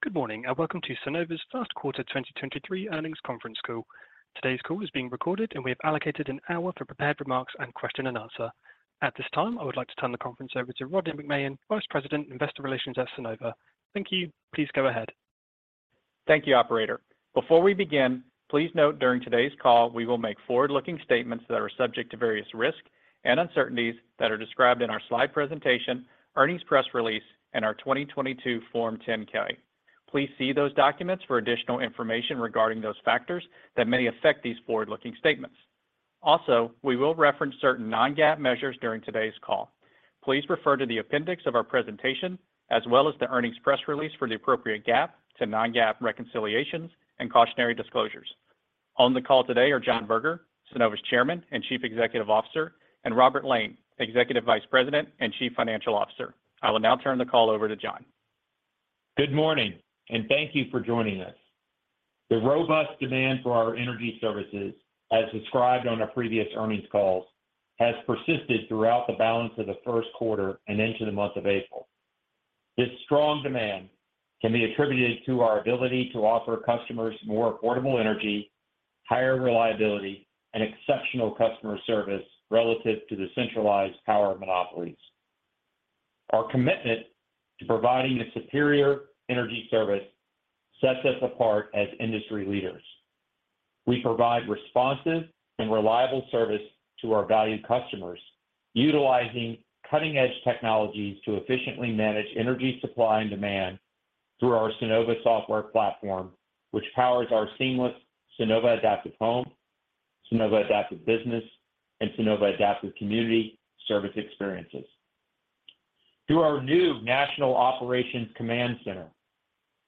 Good morning, welcome to Sunnova's Q1 2023 earnings conference call. Today's call is being recorded, and we have allocated an hour for prepared remarks and question and answer. At this time, I would like to turn the conference over to Rodney McMahan, Vice President, Investor Relations at Sunnova. Thank you. Please go ahead. Thank you, operator. Before we begin, please note during today's call, we will make forward-looking statements that are subject to various risks and uncertainties that are described in our slide presentation, earnings press release, and our 2022 Form 10-K. Please see those documents for additional information regarding those factors that may affect these forward-looking statements. Also, we will reference certain non-GAAP measures during today's call. Please refer to the appendix of our presentation, as well as the earnings press release for the appropriate GAAP to non-GAAP reconciliations and cautionary disclosures. On the call today are John Berger, Sunnova's Chairman and Chief Executive Officer, and Robert Lane, Executive Vice President and Chief Financial Officer. I will now turn the call over to John. Good morning. Thank you for joining us. The robust demand for our energy services, as described on our previous earnings calls, has persisted throughout the balance of the Q1 and into the month of April. This strong demand can be attributed to our ability to offer customers more affordable energy, higher reliability, and exceptional customer service relative to the centralized power monopolies. Our commitment to providing a superior energy service sets us apart as industry leaders. We provide responsive and reliable service to our valued customers, utilizing cutting-edge technologies to efficiently manage energy supply and demand through our Sunnova software platform, which powers our seamless Sunnova Adaptive Home, Sunnova Adaptive Business, and Sunnova Adaptive Community service experiences. Through our new National Operations Command Center,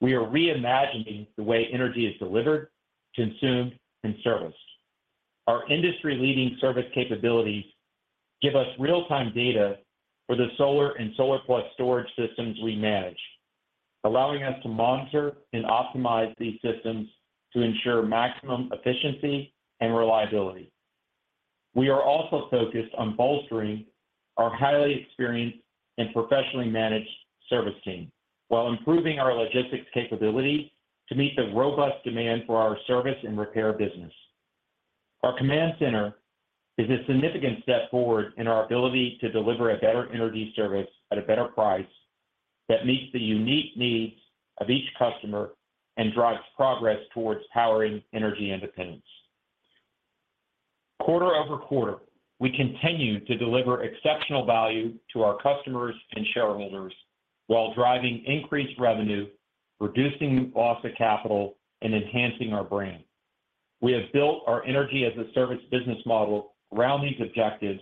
we are reimagining the way energy is delivered, consumed, and serviced. Our industry-leading service capabilities give us real-time data for the solar and solar plus storage systems we manage, allowing us to monitor and optimize these systems to ensure maximum efficiency and reliability. We are also focused on bolstering our highly experienced and professionally managed service team while improving our logistics capability to meet the robust demand for our service and repair business. Our command center is a significant step forward in our ability to deliver a better energy service at a better price that meets the unique needs of each customer and drives progress towards powering energy independence. Quarter-over-quarter, we continue to deliver exceptional value to our customers and shareholders while driving increased revenue, reducing loss of capital, and enhancing our brand. We have built our energy as a service business model around these objectives,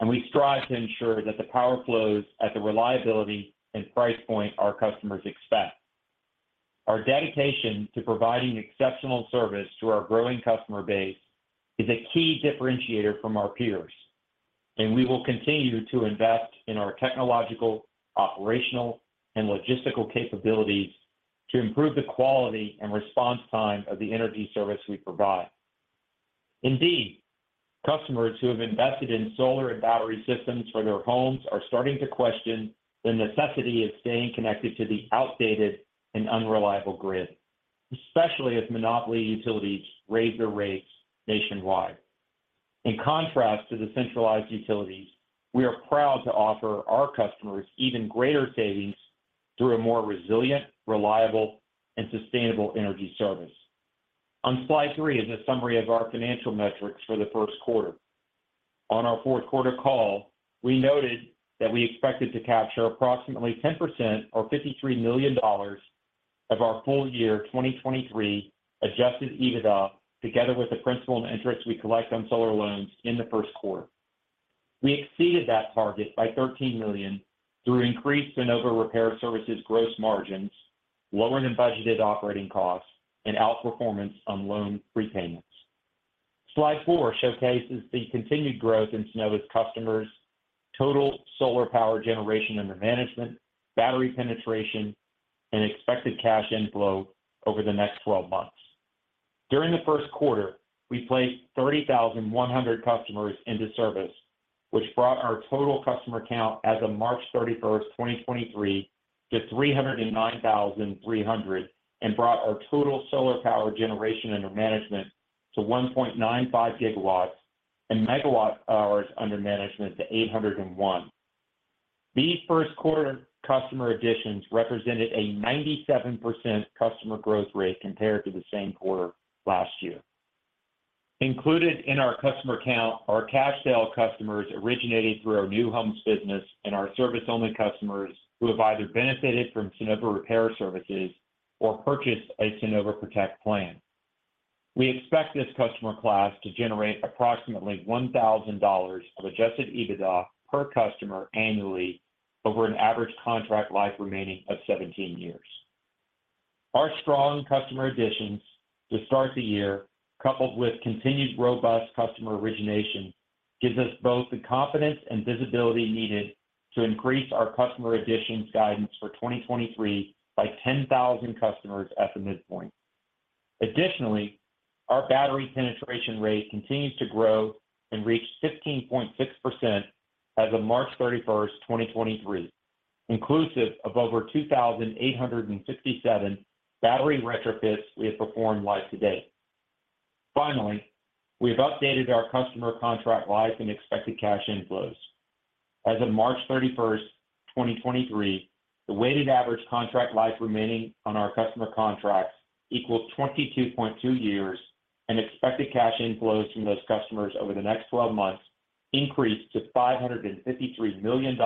and we strive to ensure that the power flows at the reliability and price point our customers expect. Our dedication to providing exceptional service to our growing customer base is a key differentiator from our peers, and we will continue to invest in our technological, operational, and logistical capabilities to improve the quality and response time of the energy service we provide. Indeed, customers who have invested in solar and battery systems for their homes are starting to question the necessity of staying connected to the outdated and unreliable grid, especially as monopoly utilities raise their rates nationwide. In contrast to the centralized utilities, we are proud to offer our customers even greater savings through a more resilient, reliable, and sustainable energy service. On slide three is a summary of our financial metrics for the Q1. On our Q4 call, we noted that we expected to capture approximately 10% or $53 million of our full year 2023 adjusted EBITDA together with the principal and interest we collect on solar loans in the Q1. We exceeded that target by $13 million through increased Sunnova Repair Services gross margins, lower than budgeted operating costs, and outperformance on loan prepayments. Slide four showcases the continued growth in Sunnova's customers' total solar power generation under management, battery penetration, and expected cash inflow over the next 12 months. During the Q1, we placed 30,100 customers into service, which brought our total customer count as of March 31, 2023 to 309,300 and brought our total solar power generation under management to 1.95 GW and megawatt hours under management to 801. These Q1 customer additions represented a 97% customer growth rate compared to the same quarter last year. Included in our customer count are cash sale customers originating through our new homes business and our service only customers who have either benefited from Sunnova Repair Services or purchased a Sunnova Protect Plan. We expect this customer class to generate approximately $1,000 of adjusted EBITDA per customer annually over an average contract life remaining of 17 years. Our strong customer additions to start the year, coupled with continued robust customer origination, gives us both the confidence and visibility needed to increase our customer additions guidance for 2023 by 10,000 customers at the midpoint. Our battery penetration rate continues to grow and reached 15.6% as of March 31st, 2023, inclusive of over 2,867 battery retrofits we have performed live to date. We have updated our customer contract life and expected cash inflows. As of March 31st, 2023, the weighted average contract life remaining on our customer contracts equals 22.2 years, and expected cash inflows from those customers over the next 12 months increased to $553 million,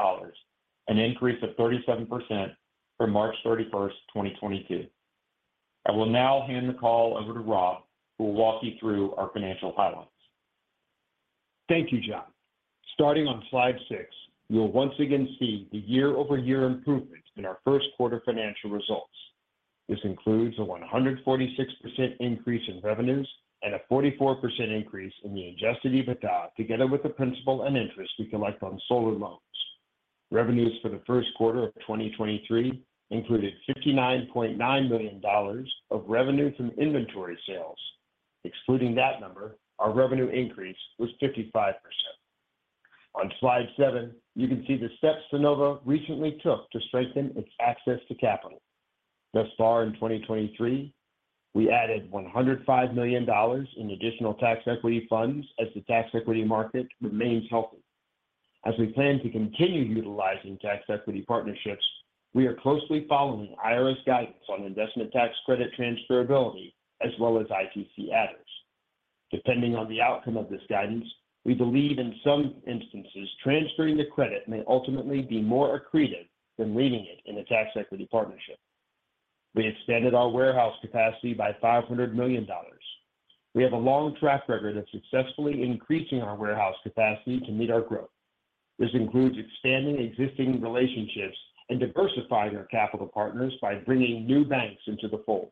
an increase of 37% from March 31st, 2022. I will now hand the call over to Rob, who will walk you through our financial highlights. Thank you, John. Starting on slide six, you'll once again see the year-over-year improvement in our Q1 financial results. This includes a 146% increase in revenues and a 44% increase in the adjusted EBITDA, together with the principal and interest we collect on solar loans. Revenues for the Q1 of 2023 included $59.9 million of revenue from inventory sales. Excluding that number, our revenue increase was 55%. On slide seven, you can see the steps Sunnova recently took to strengthen its access to capital. Thus far in 2023, we added $105 million in additional tax equity funds as the tax equity market remains healthy. As we plan to continue utilizing tax equity partnerships, we are closely following IRS guidance on investment tax credit transferability as well as ITC adders. Depending on the outcome of this guidance, we believe in some instances, transferring the credit may ultimately be more accretive than leaving it in a tax equity partnership. We expanded our warehouse capacity by $500 million. We have a long track record of successfully increasing our warehouse capacity to meet our growth. This includes expanding existing relationships and diversifying our capital partners by bringing new banks into the fold.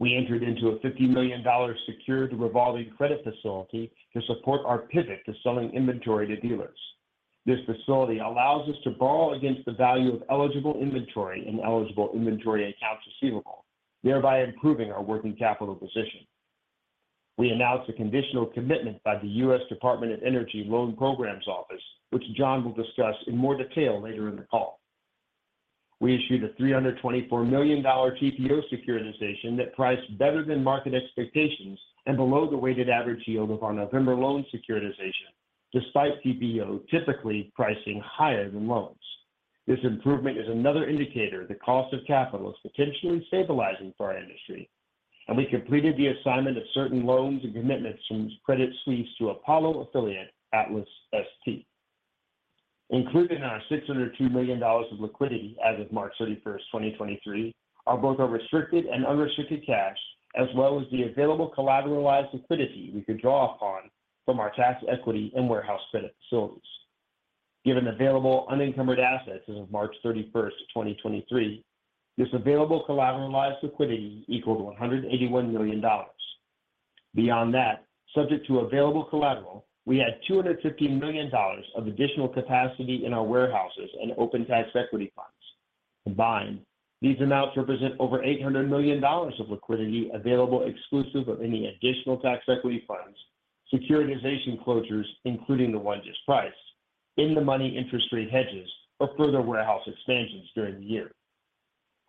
We entered into a $50 million secured revolving credit facility to support our pivot to selling inventory to dealers. This facility allows us to borrow against the value of eligible inventory and eligible inventory accounts receivable, thereby improving our working capital position. We announced a conditional commitment by the U.S. Department of Energy Loan Programs Office, which John will discuss in more detail later in the call. We issued a $324 million TPO securitization that priced better than market expectations and below the weighted average yield of our November loan securitization, despite TPO typically pricing higher than loans. This improvement is another indicator the cost of capital is potentially stabilizing for our industry, and we completed the assignment of certain loans and commitments from Credit Suisse to Apollo affiliate ATLAS SP. Included in our $602 million of liquidity as of March 31, 2023, are both our restricted and unrestricted cash, as well as the available collateralized liquidity we could draw upon from our tax equity and warehouse credit facilities. Given available unencumbered assets as of March 31, 2023, this available collateralized liquidity equaled $181 million. Beyond that, subject to available collateral, we had $250 million of additional capacity in our warehouses and open tax equity funds. Combined, these amounts represent over $800 million of liquidity available exclusive of any additional tax equity funds, securitization closures, including the one just priced, in the money interest rate hedges, or further warehouse expansions during the year.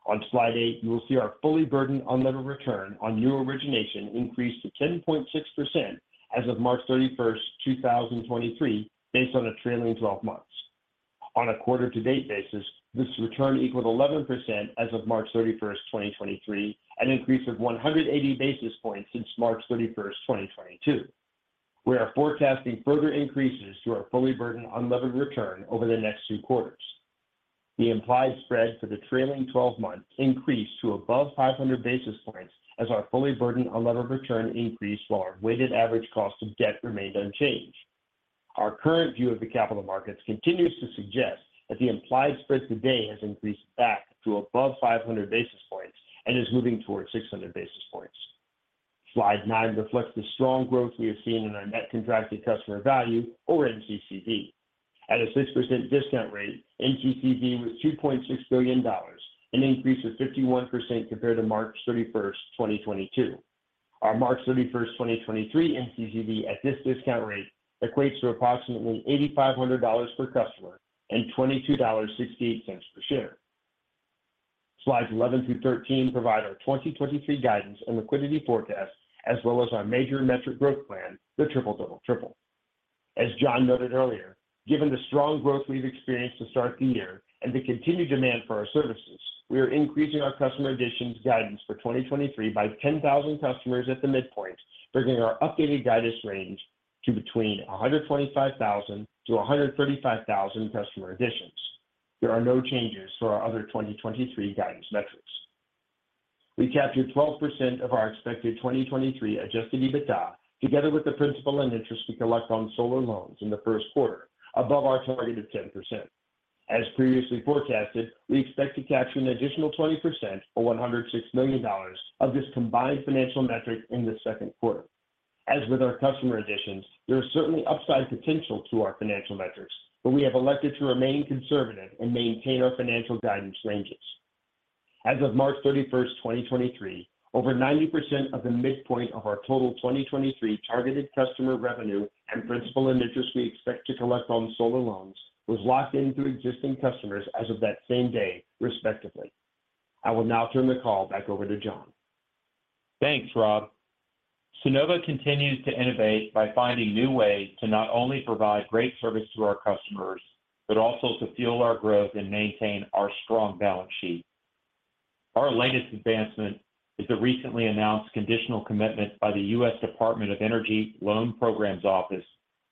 On slide eight, you will see our fully burdened unlevered return on new origination increased to 10.6% as of March 31st, 2023, based on the trailing 12 months. On a quarter to date basis, this return equaled 11% as of March 31st, 2023, an increase of 180 basis points since March 31st, 2022. We are forecasting further increases to our fully burdened unlevered return over the next two quarters. The implied spread for the trailing 12 months increased to above 500 basis points as our fully burdened unlevered return increased while our weighted average cost of debt remained unchanged. Our current view of the capital markets continues to suggest that the implied spread today has increased back to above 500 basis points and is moving towards 600 basis points. Slide nine reflects the strong growth we have seen in our net contracted customer value or NCCV. At a 6% discount rate, NCCV was $2.6 billion, an increase of 51% compared to March 31st, 2022. Our March 31st, 2023 NCCV at this discount rate equates to approximately $8,500 per customer and $22.68 per share. Slides 11 through 13 provide our 2023 guidance and liquidity forecast as well as our major metric growth plan, the Triple-Double Triple. As John noted earlier, given the strong growth we've experienced to start the year and the continued demand for our services, we are increasing our customer additions guidance for 2023 by 10,000 customers at the midpoint, bringing our updated guidance range to between 125,000 to 135,000 customer additions. There are no changes for our other 2023 guidance metrics. We captured 12% of our expected 2023 adjusted EBITDA, together with the principal and interest we collect on solar loans in the Q1, above our target of 10%. As previously forecasted, we expect to capture an additional 20% or $106 million of this combined financial metric in the Q2. as with our customer additions, there is certainly upside potential to our financial metrics, but we have elected to remain conservative and maintain our financial guidance ranges. As of March 31, 2023, over 90% of the midpoint of our total 2023 targeted customer revenue and principal and interest we expect to collect on solar loans was locked in through existing customers as of that same day, respectively. I will now turn the call back over to John. Thanks, Rob. Sunnova continues to innovate by finding new ways to not only provide great service to our customers, but also to fuel our growth and maintain our strong balance sheet. Our latest advancement is the recently announced conditional commitment by the U.S. Department of Energy Loan Programs Office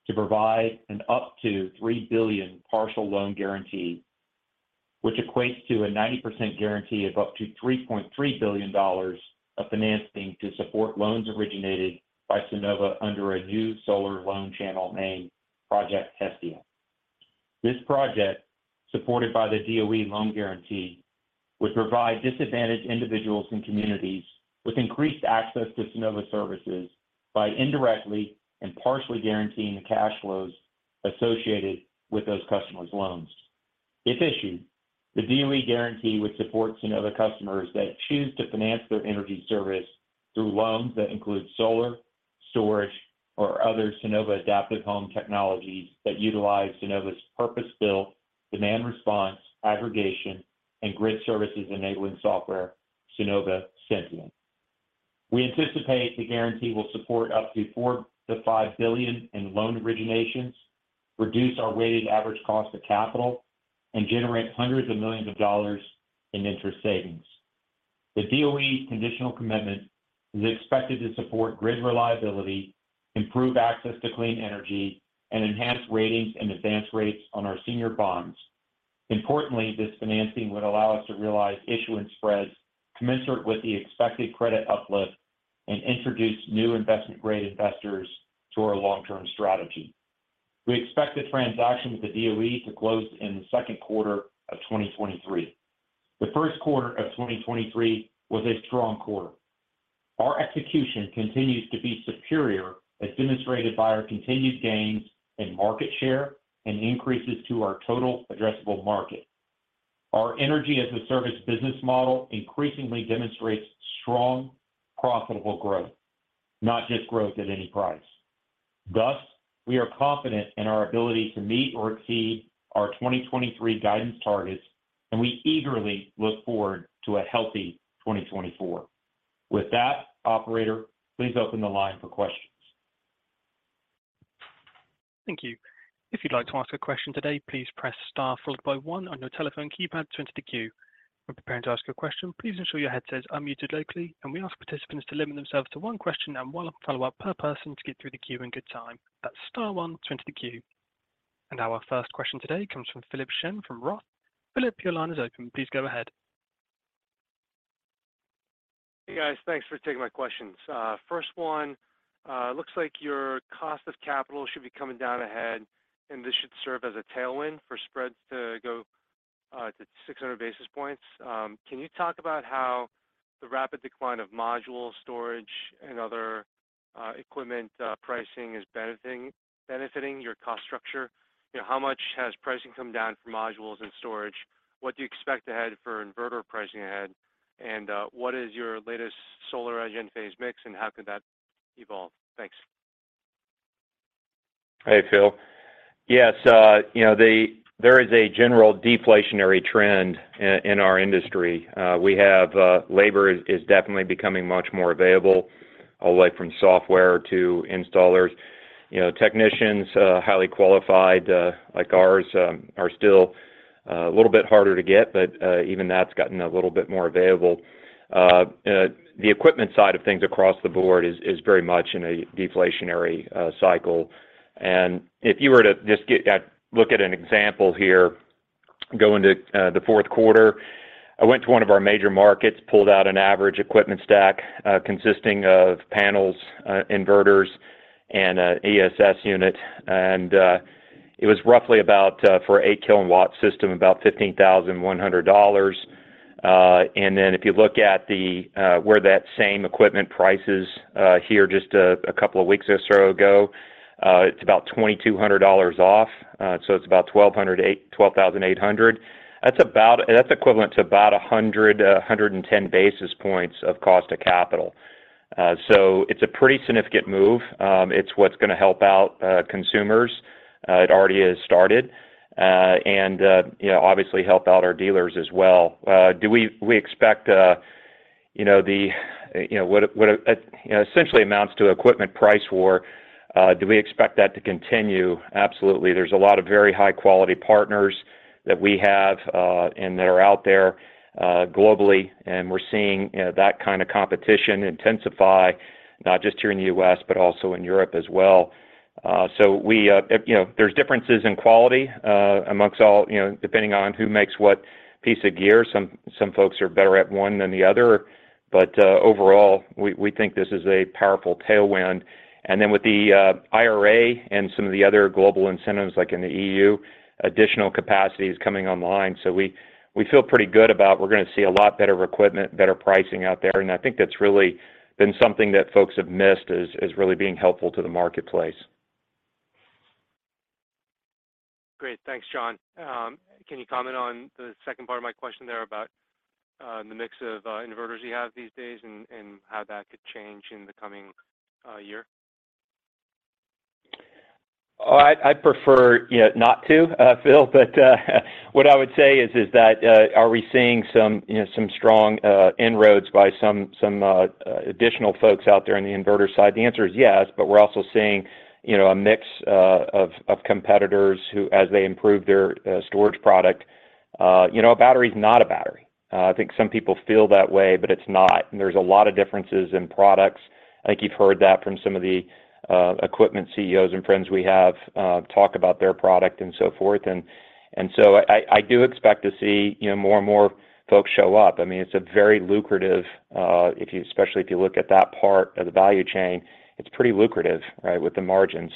to provide an up to $3 billion partial loan guarantee, which equates to a 90% guarantee of up to $3.3 billion of financing to support loans originated by Sunnova under a new solar loan channel named Project Hestia. This project, supported by the DOE loan guarantee, would provide disadvantaged individuals and communities with increased access to Sunnova services by indirectly and partially guaranteeing the cash flows associated with those customers' loans. If issued, the DOE guarantee would support Sunnova customers that choose to finance their energy service through loans that include solar, storage, or other Sunnova Adaptive Home technologies that utilize Sunnova's purpose-built demand response, aggregation, and grid services enabling software, Sunnova Sentient. We anticipate the guarantee will support up to $4 billion-$5 billion in loan originations, reduce our weighted average cost of capital, and generate hundreds of millions of dollars in interest savings. The DOE's conditional commitment is expected to support grid reliability, improve access to clean energy, and enhance ratings and advance rates on our senior bonds. Importantly, this financing would allow us to realize issuance spreads commensurate with the expected credit uplift and introduce new investment grade investors to our long-term strategy. We expect the transaction with the DOE to close in the Q2 of 2023. The Q1 of 2023 was a strong quarter. Our execution continues to be superior, as demonstrated by our continued gains in market share and increases to our total addressable market. Our energy as a service business model increasingly demonstrates strong, profitable growth, not just growth at any price. We are confident in our ability to meet or exceed our 2023 guidance targets, and we eagerly look forward to a healthy 2024. Operator, please open the line for questions. Thank you. If you'd like to ask a question today, please press star followed by one on your telephone keypad to enter the queue. When preparing to ask your question, please ensure your headset is unmuted locally. We ask participants to limit themselves to one question and one follow-up per person to get through the queue in good time. That's star one to enter the queue. Our first question today comes from Philip Shen from Roth. Philip, your line is open. Please go ahead. Hey, guys. Thanks for taking my questions. First one, looks like your cost of capital should be coming down ahead, and this should serve as a tailwind for spreads to go to 600 basis points. Can you talk about how the rapid decline of module storage and other equipment pricing is benefiting your cost structure? You know, how much has pricing come down for modules and storage? What do you expect ahead for inverter pricing ahead? What is your latest solar as in-phase mix, and how could that evolve? Thanks. Yes, you know, there is a general deflationary trend in our industry. We have, labor is definitely becoming much more available, all the way from software to installers. You know, technicians, highly qualified, like ours, are still a little bit harder to get, but even that's gotten a little bit more available. The equipment side of things across the board is very much in a deflationary cycle. If you were to just look at an example here, go into the Q4. I went to one of our major markets, pulled out an average equipment stack, consisting of panels, inverters, and ESS unit. It was roughly about, for a 8 KW system, about $15,100. If you look at the where that same equipment price is here just a couple of weeks or so ago, it's about $2,200 off. It's about $12,800. That's equivalent to about 100, 110 basis points of cost of capital. It's a pretty significant move. It's what's gonna help out consumers. It already has started, you know, obviously help out our dealers as well. We expect, you know, the, you know, what essentially amounts to equipment price war, do we expect that to continue? Absolutely. There's a lot of very high-quality partners that we have, and that are out there, globally, and we're seeing, you know, that kind of competition intensify, not just here in the U.S., but also in Europe as well. We, you know, there's differences in quality, amongst all, you know, depending on who makes what piece of gear. Some folks are better at one than the other. Overall, we think this is a powerful tailwind. With the IRA and some of the other global incentives like in the E.U., additional capacity is coming online. We feel pretty good about we're gonna see a lot better equipment, better pricing out there. I think that's really been something that folks have missed is really being helpful to the marketplace. Great. Thanks, John. Can you comment on the second part of my question there about the mix of inverters you have these days and how that could change in the coming year? Oh, I'd prefer, you know, not to, Phil, but what I would say is that are we seeing some, you know, strong inroads by some additional folks out there in the inverter side? The answer is yes, but we're also seeing, you know, a mix of competitors who as they improve their storage product. You know, a battery's not a battery. I think some people feel that way, but it's not, and there's a lot of differences in products. I think you've heard that from some of the equipment CEOs and friends we have talk about their product and so forth. So I do expect to see, you know, more and more folks show up. I mean, it's a very lucrative, especially if you look at that part of the value chain, it's pretty lucrative, right, with the margin.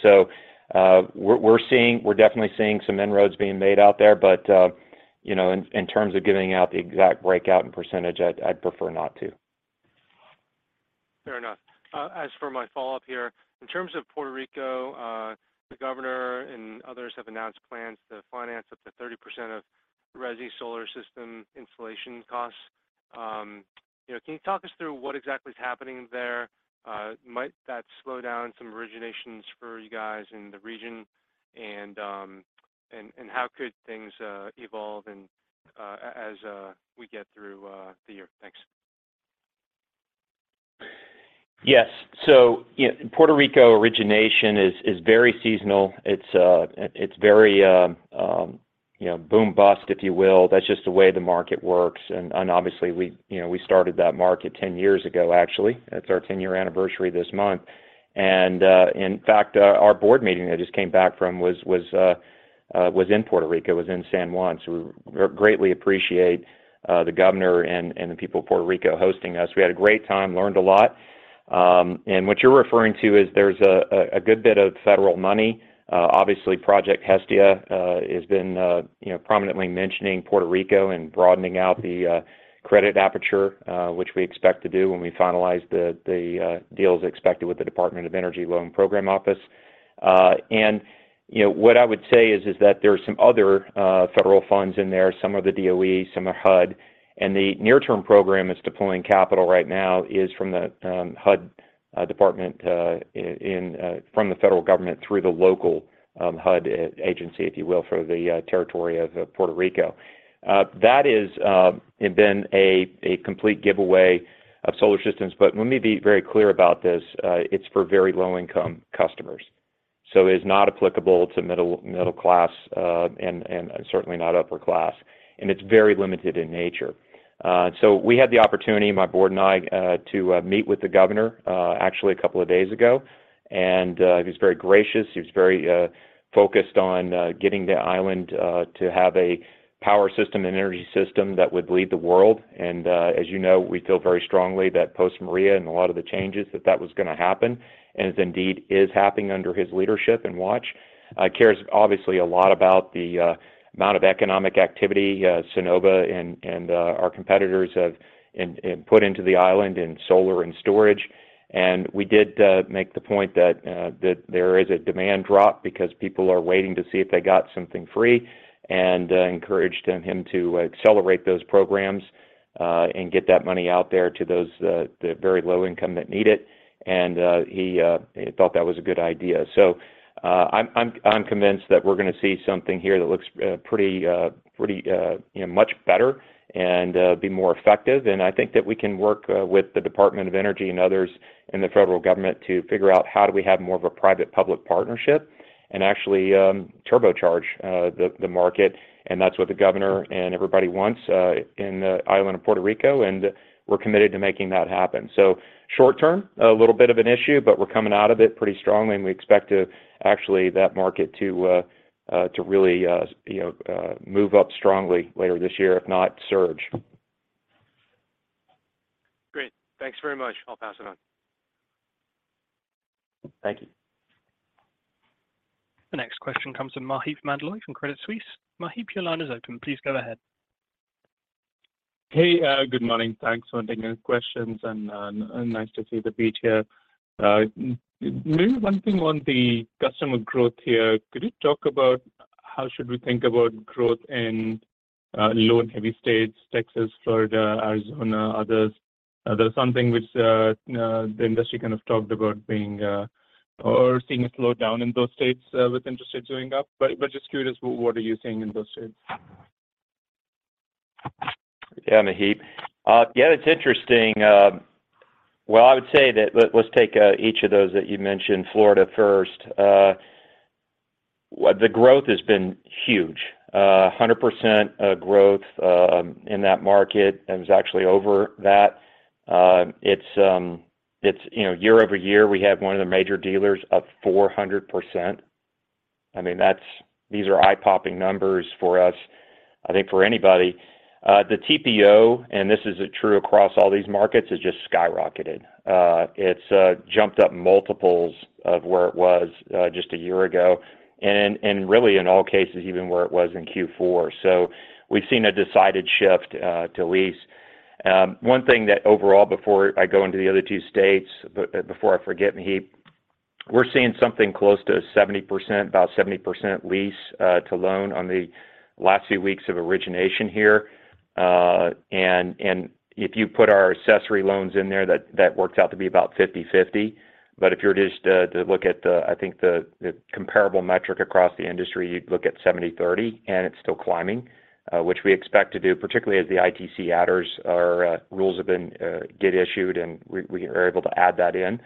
We're definitely seeing some inroads being made out there, but, you know, in terms of giving out the exact breakout and percentage, I'd prefer not to. Fair enough. As for my follow-up here, in terms of Puerto Rico, the governor and others have announced plans to finance up to 30% of resi solar system installation costs. You know, can you talk us through what exactly is happening there? Might that slow down some originations for you guys in the region? How could things evolve as we get through the year? Thanks. Yes. You know, Puerto Rico origination is very seasonal. It's very, you know, boom bust, if you will. That's just the way the market works. Obviously we, you know, we started that market 10 years ago, actually. It's our 10-year anniversary this month. In fact, our board meeting I just came back from was in Puerto Rico, was in San Juan. We greatly appreciate the governor and the people of Puerto Rico hosting us. We had a great time, learned a lot. What you're referring to is there's a good bit of federal money. Obviously Project Hestia has been, you know, prominently mentioning Puerto Rico and bradening out the credit aperture, which we expect to do when we finalize the deals expected with the Department of Energy Loan Program Office. you know, what I would say is that there are some other federal funds in there. Some are the DOE, some are HUD. The near-term program that's deploying capital right now is from the HUD department from the federal government through the local HUD agency, if you will, for the territory of Puerto Rico. that is been a complete giveaway of solar systems. Let me be very clear about this. It's for very low-income customers. It is not applicable to middle class, and certainly not upper class, and it's very limited in nature. We had the opportunity, my board and I, to meet with the governor, actually a couple of days ago. He was very gracious. He was very focused on getting the island to have a power system and energy system that would lead the world. As you know, we feel very strongly that post-Maria and a lot of the changes that was gonna happen and indeed is happening under his leadership and watch. Cares obviously a lot about the amount of economic activity, Sunnova and our competitors have in put into the island in solar and storage. We did make the point that there is a demand drop because people are waiting to see if they got something free, and encouraged him to accelerate those programs and get that money out there to those the very low income that need it. He thought that was a good idea. I'm convinced that we're gonna see something here that looks pretty, you know, much better and be more effective. I think that we can work with the Department of Energy and others in the federal government to figure out how do we have more of a private-public partnership and actually turbocharge the market. That's what the governor and everybody wants in the island of Puerto Rico, and we're committed to making that happen. Short term, a little bit of an issue, but we're coming out of it pretty strongly, and we expect to actually that market to really, you know, move up strongly later this year, if not surge. Great. Thanks very much. I'll pass it on. Thank you. The next question comes from Maheep Mandloi from Credit Suisse. Maheep, your line is open. Please go ahead. Hey, good morning. Thanks for taking questions and nice to see the beat here. Maybe one thing on the customer growth here. Could you talk about how should we think about growth in loan-heavy states, Texas, Florida, Arizona, others? There's something which the industry kind of talked about being or seeing a slowdown in those states with interest rates going up. Just curious, what are you seeing in those states? Maheep. It's interesting. I would say that let's take each of those that you mentioned. Florida first. The growth has been huge. A 100% growth in that market and it's actually over that. It's, you know, year-over-year, we have one of the major dealers up 400%. I mean, these are eye-popping numbers for us, I think for anybody. The TPO, and this is true across all these markets, has just skyrocketed. It's jumped up multiples of where it was just a year ago, and really in all cases, even where it was in Q4. We've seen a decided shift to lease. One thing that overall before I go into the other two states, before I forget, we're seeing something close to 70%, about 70% lease to loan on the last few weeks of origination here. And if you put our accessory loans in there, that works out to be about 50/50. If you're just to look at the comparable metric across the industry, you'd look at 70/30, and it's still climbing, which we expect to do, particularly as the ITC adders or rules have been get issued, and we are able to add that in.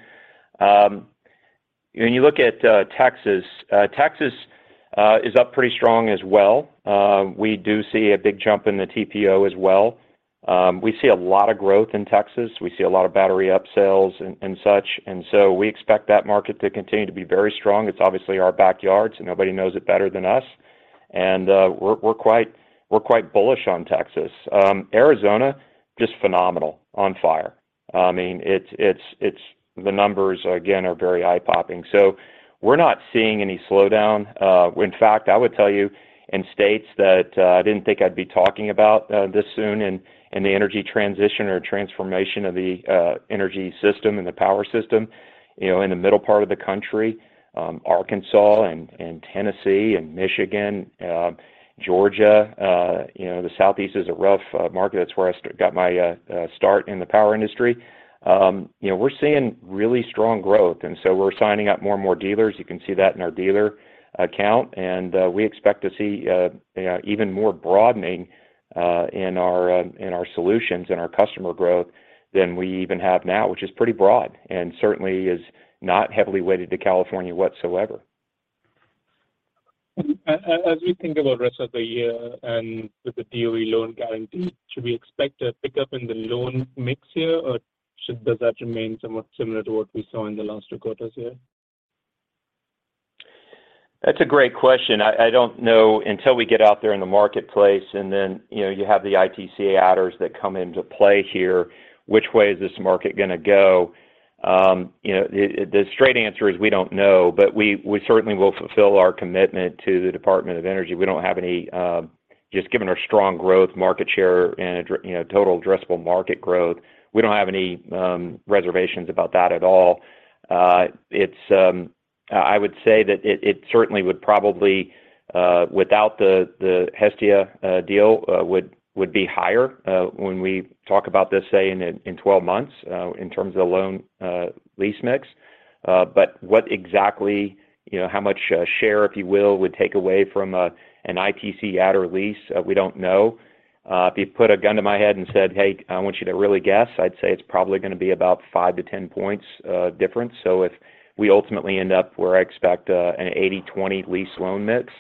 When you look at Texas is up pretty strong as well. We do see a big jump in the TPO as well. We see a lot of growth in Texas. We see a lot of battery upsales and such. We expect that market to continue to be very strong. It's obviously our backyard, so nobody knows it better than us. We're quite bullish on Texas. Arizona, just phenomenal. On fire. I mean, the numbers again are very eye-popping. We're not seeing any slowdown. In fact, I would tell you in states that I didn't think I'd be talking about this soon in the energy transition or transformation of the energy system and the power system, you know, in the middle part of the country, Arkansas and Tennessee and Michigan, Georgia, you know, the southeast is a rough market. That's where I got my start in the power industry. You know, we're seeing really strong growth, we're signing up more and more dealers. You can see that in our dealer account, we expect to see even more broadening in our solutions and our customer growth than we even have now, which is pretty broad and certainly is not heavily weighted to California whatsoever. As you think about rest of the year and with the DOE loan guarantee, should we expect a pickup in the loan mix here? Does that remain somewhat similar to what we saw in the last two quarters here? That's a great question. I don't know until we get out there in the marketplace, and then, you know, you have the ITC adders that come into play here, which way is this market gonna go. You know, the straight answer is we don't know, but we certainly will fulfill our commitment to the Department of Energy. We don't have any, just given our strong growth market share and you know, total addressable market growth, we don't have any reservations about that at all. It's I would say that it certainly would probably, without the Hestia deal, would be higher when we talk about this, say, in 12 months, in terms of the loan lease mix. What exactly, you know, how much share, if you will, would take away from an ITC adder lease, we don't know. If you put a gun to my head and said, "Hey, I want you to really guess," I'd say it's probably gonna be about 5-10 points difference. If we ultimately end up where I expect an 80/20 lease loan mix,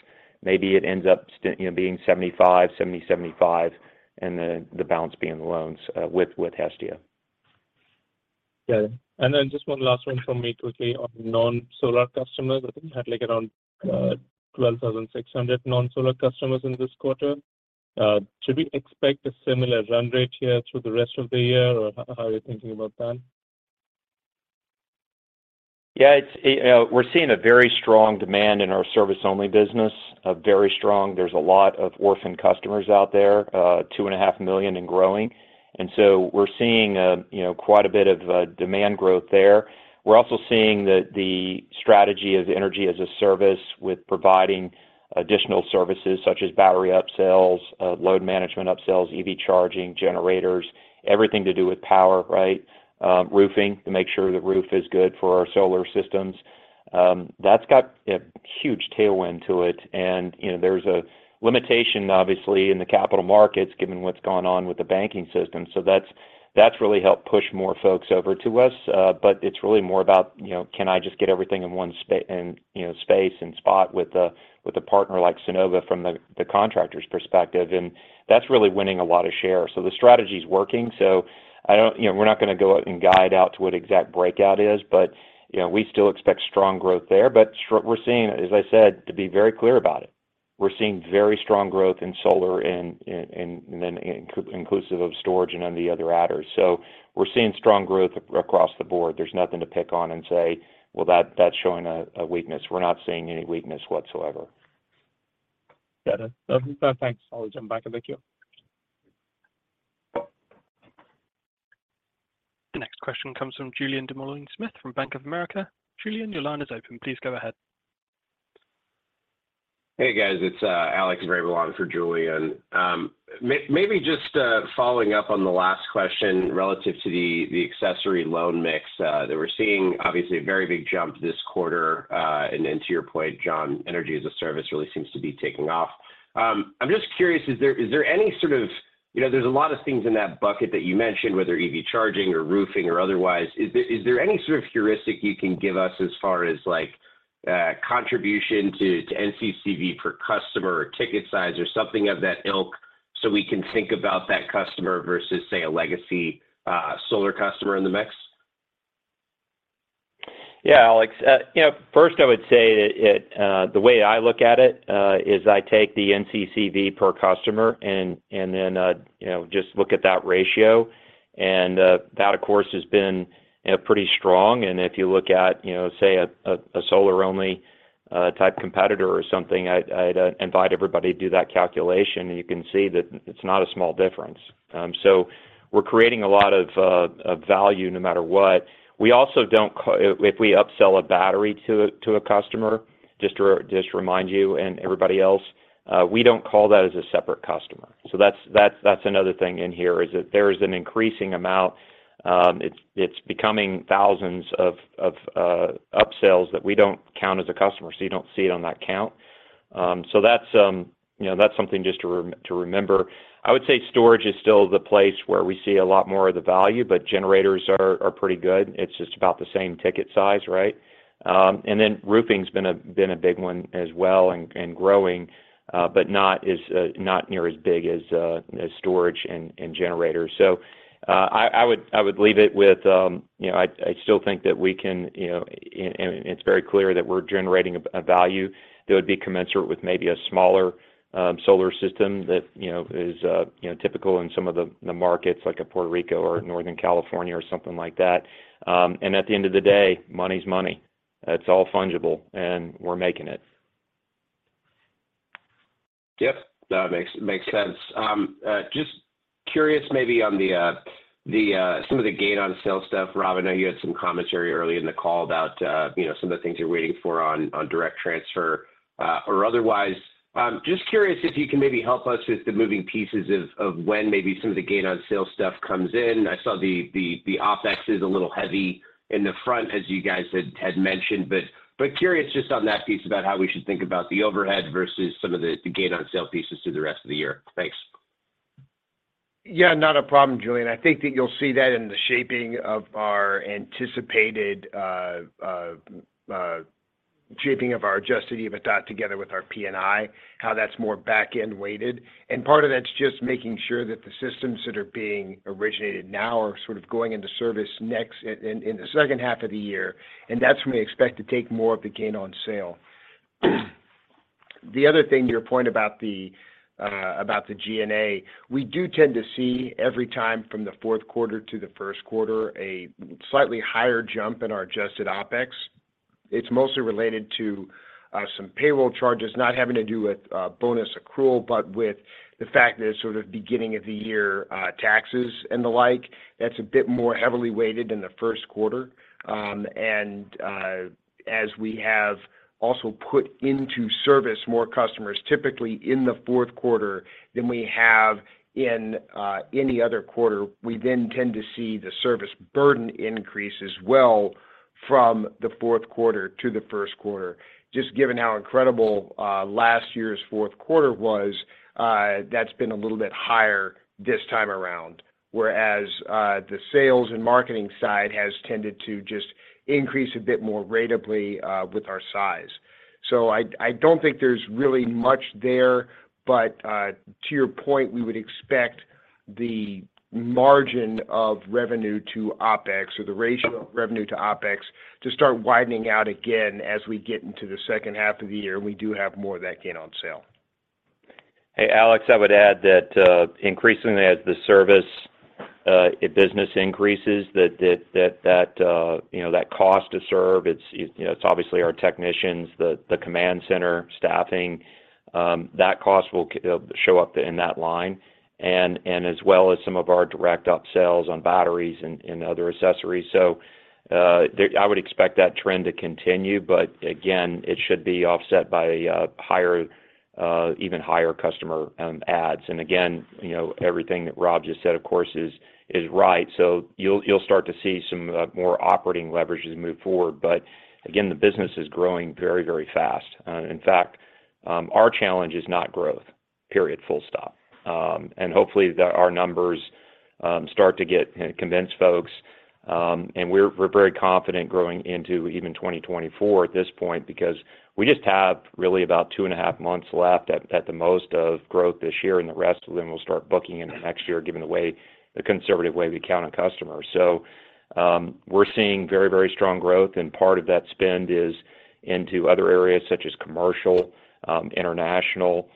maybe it ends up, you know, being 75, 70/75, and the balance being the loans with Hestia. Yeah. Just 1 last one from me quickly on non-solar customers. I think you had like around 12,600 non-solar customers in this quarter. Should we expect a similar run rate here through the rest of the year? Or how are you thinking about that? Yeah. It's, we're seeing a very strong demand in our service-only business, very strong. There's a lot of orphan customers out there, 2.5 million and growing. We're seeing, you know, quite a bit of demand growth there. We're also seeing the strategy of energy as a service with providing additional services such as battery upsells, load management upsells, EV charging, generators, everything to do with power, right? Roofing to make sure the roof is good for our solar systems. That's got a huge tailwind to it. You know, there's a limitation obviously in the capital markets given what's gone on with the banking system. That's, that's really helped push more folks over to us. It's really more about, you know, can I just get everything in one space and spot with a, with a partner like Sunnova from the contractor's perspective. That's really winning a lot of share. The strategy is working. I don't, you know, we're not gonna go out and guide out to what exact breakout is, but, you know, we still expect strong growth there. We're seeing, as I said, to be very clear about it, we're seeing very strong growth in solar and inclusive of storage and on the other adders. We're seeing strong growth across the board. There's nothing to pick on and say, "Well, that's showing a weakness." We're not seeing any weakness whatsoever. Got it. thanks. I'll jump back in the queue. The next question comes from Julien Dumoulin-Smith from Bank of America. Julien, your line is open. Please go ahead. Hey, guys. It's Alex. You know, first I would say it, the way I look at it, is I take the NCCV per customer and then, you know, just look at that ratio. That of course has been pretty strong. If you look at, you know, say at a solar-only type competitor or something, I'd invite everybody to do that calculation, and you can see that it's not a small difference. We're creating a lot of value no matter what. We also don't if we upsell a battery to a customer, just to remind you and everybody else, we don't call that as a separate customer. That's another thing in here is that there is an increasing amount, it's becoming thousands of upsells that we don't count as a customer, so you don't see it on that count. That's, you know, that's something just to remember. I would say storage is still the place where we see a lot more of the value, but generators are pretty good. It's just about the same ticket size, right? Then roofing's been a big one as well and growing, but not as not near as big as as storage and generators. I would leave it with, you know, I still think that we can, you know... and it's very clear that we're generating a value that would be commensurate with maybe a smaller solar system that, you know, is, you know, typical in some of the markets like a Puerto Rico or Northern California or something like that. At the end of the day, money's money. It's all fungible, and we're making it. Yep. That makes sense. Just curious maybe on the some of the gain on sale stuff. Rob, I know you had some commentary early in the call about, you know, some of the things you're waiting for on direct transfer or otherwise. I'm just curious if you can maybe help us with the moving pieces of when maybe some of the gain on sale stuff comes in. I saw the OpEx is a little heavy in the front as you guys had mentioned, but curious just on that piece about how we should think about the overhead versus some of the gain on sale pieces through the rest of the year. Thanks. Yeah, not a problem, Julian. I think that you'll see that in the shaping of our anticipated shaping of our adjusted EBITDA together with our P&I, how that's more back-end weighted. Part of that's just making sure that the systems that are being originated now are sort of going into service next in the H2 of the year. That's when we expect to take more of the gain on sale. The other thing, your point about the G&A, we do tend to see every time from the Q4 to the Q1 a slightly higher jump in our adjusted OpEx. It's mostly related to some payroll charges, not having to do with bonus accrual, but with the fact that it's sort of beginning of the year taxes and the like. That's a bit more heavily weighted in the Q1. As we have also put into service more customers typically in the Q4 than we have in any other quarter, we tend to see the service burden increase as well from the Q4 to the Q1. Just given how incredible last year's Q4 was, that's been a little bit higher this time around, whereas the sales and marketing side has tended to just increase a bit more ratably with our size. I don't think there's really much there, but to your point, we would expect the margin of revenue to OpEx or the ratio of revenue to OpEx to start widening out again as we get into the H2 of the year, and we do have more of that gain on sale. Hey, Alex, I would add that, increasingly as the service business increases, that, you know, that cost to serve, it's, you know, it's obviously our technicians, the command center staffing, that cost will it'll show up in that line and as well as some of our direct upsells on batteries and other accessories. I would expect that trend to continue, but again, it should be offset by higher, even higher customer adds. Again, you know, everything that Rob just said, of course, is right. You'll start to see some more operating leverage as we move forward. Again, the business is growing very fast. In fact, our challenge is not growth, period, full stop. Hopefully the, our numbers start to get convince folks. We're very confident growing into even 2024 at this point because we just have really about 2.5 months left at the most of growth this year, and the rest of them will start booking into next year given the way, the conservative way we count on customers. We're seeing very strong growth, and part of that spend is into other areas such as commercial, international,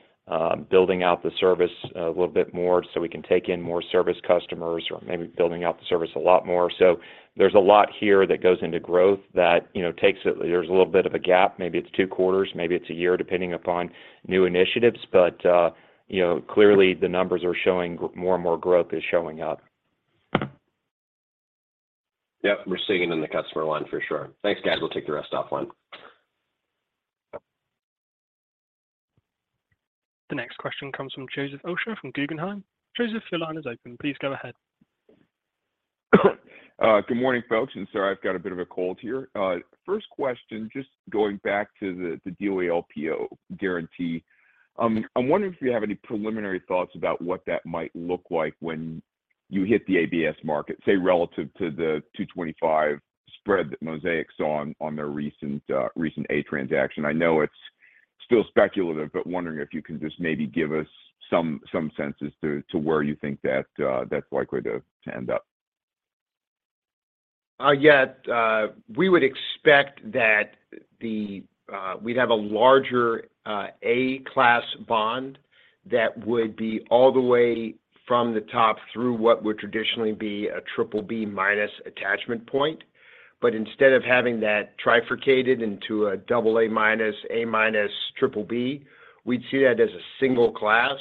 building out the service a little bit more so we can take in more service customers or maybe building out the service a lot more. There's a lot here that goes into growth that there's a little bit of a gap, maybe it's two quarters, maybe it's a year, depending upon new initiatives. You know, clearly the numbers are showing more and more growth is showing up. Yep. We're seeing it in the customer line for sure. Thanks, guys. We'll take the rest offline. The next question comes from Joseph Osha from Guggenheim. Joseph, your line is open. Please go ahead. Good morning, folks, sorry I've got a bit of a cold here. First question, just going back to the DOE LPO guarantee. I'm wondering if you have any preliminary thoughts about what that might look like when you hit the ABS market, say relative to the 225 spread that Mosaic saw on their recent A transaction. I know it's still speculative, but wondering if you can just maybe give us some senses to where you think that's likely to end up. talking about the A-class bond. We would expect that we'd have a larger A-class bond that would be all the way from the top through what would traditionally be a BBB- attachment point. Instead of having that trifurcated into a AA-, A-, BBB, we'd see that as a single class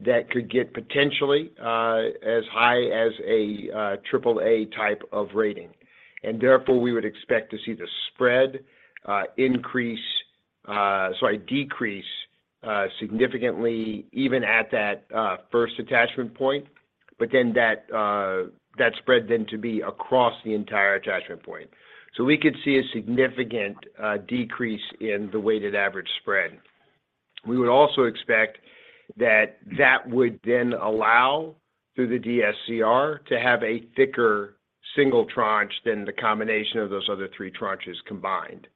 that could get potentially as high as a AAA type of rating. Therefore, we would expect to see the spread decrease significantly even at that first attachment point, but then that spread then to be across the entire attachment point. So we could see a significant decrease in the weighted average spread We would also expect that that would then allow, through the DSCR, to have a thicker single tranche than the combination of those other three tranches combined.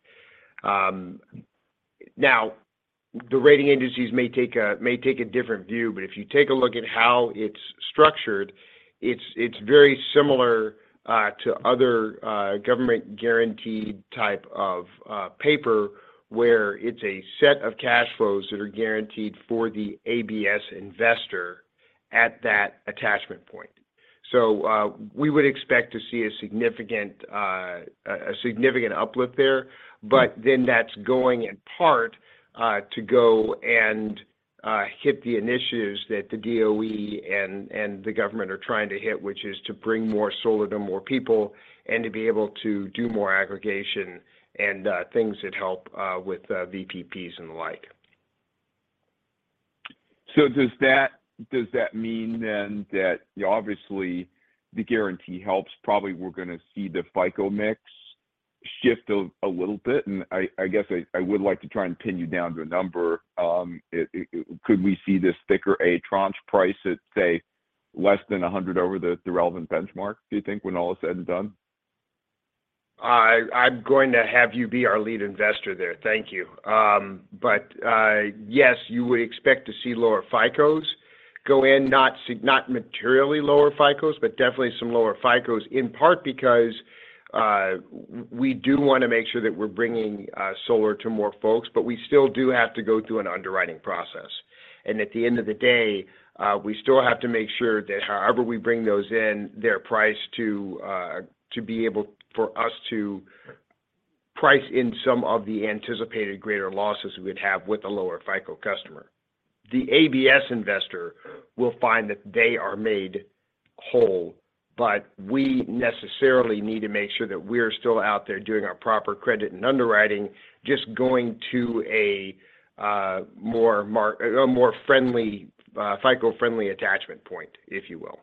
Now the rating agencies may take a different view, but if you take a look at how it's structured, it's very similar to other government guaranteed type of paper where it's a set of cash flows that are guaranteed for the ABS investor at that attachment point. We would expect to see a significant uplift there. That's going in part to go and hit the initiatives that the DOE and the government are trying to hit, which is to bring more solar to more people and to be able to do more aggregation and things that help with VPPs and the like. Does that mean then that, you know, obviously the guarantee helps, probably we're gonna see the FICO mix shift a little bit? I guess I would like to try and pin you down to a number. Could we see this thicker A tranche price at, say, less than 100 over the relevant benchmark, do you think, when all is said and done? I'm going to have you be our lead investor there. Thank you. Yes, you would expect to see lower FICOs go in, not materially lower FICOs, but definitely some lower FICOs, in part because we do wanna make sure that we're bringing solar to more folks, but we still do have to go through an underwriting process. At the end of the day, we still have to make sure that however we bring those in, they're priced to be able for us to price in some of the anticipated greater losses we'd have with a lower FICO customer. The ABS investor will find that they are made whole, but we necessarily need to make sure that we're still out there doing our proper credit and underwriting, just going to a more friendly, FICO-friendly attachment point, if you will.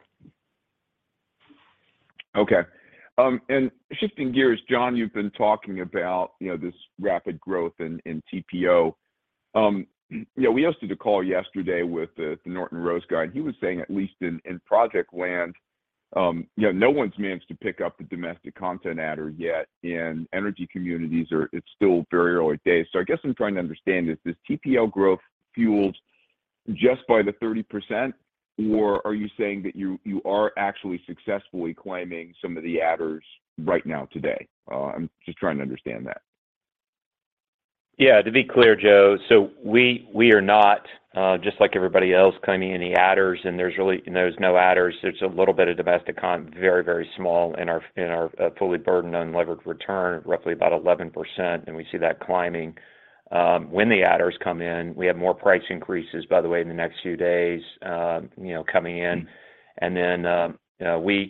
Shifting gears, John, you've been talking about, you know, this rapid growth in TPO. We hosted a call yesterday with the Norton Rose guy, and he was saying at least in project land, you know, no one's managed to pick up the domestic content adder yet, and energy communities it's still very early days. I guess I'm trying to understand, is this TPO growth fueled just by the 30%, or are you saying that you are actually successfully claiming some of the adders right now today? I'm just trying to understand that. To be clear, Joe, we are not, just like everybody else claiming any adders, and there's no adders. There's a little bit of domestic con, very, very small in our, fully burdened unlevered return, roughly about 11%, and we see that climbing. When the adders come in, we have more price increases, by the way, in the next few days, you know, coming in. Then, you know, we, You know,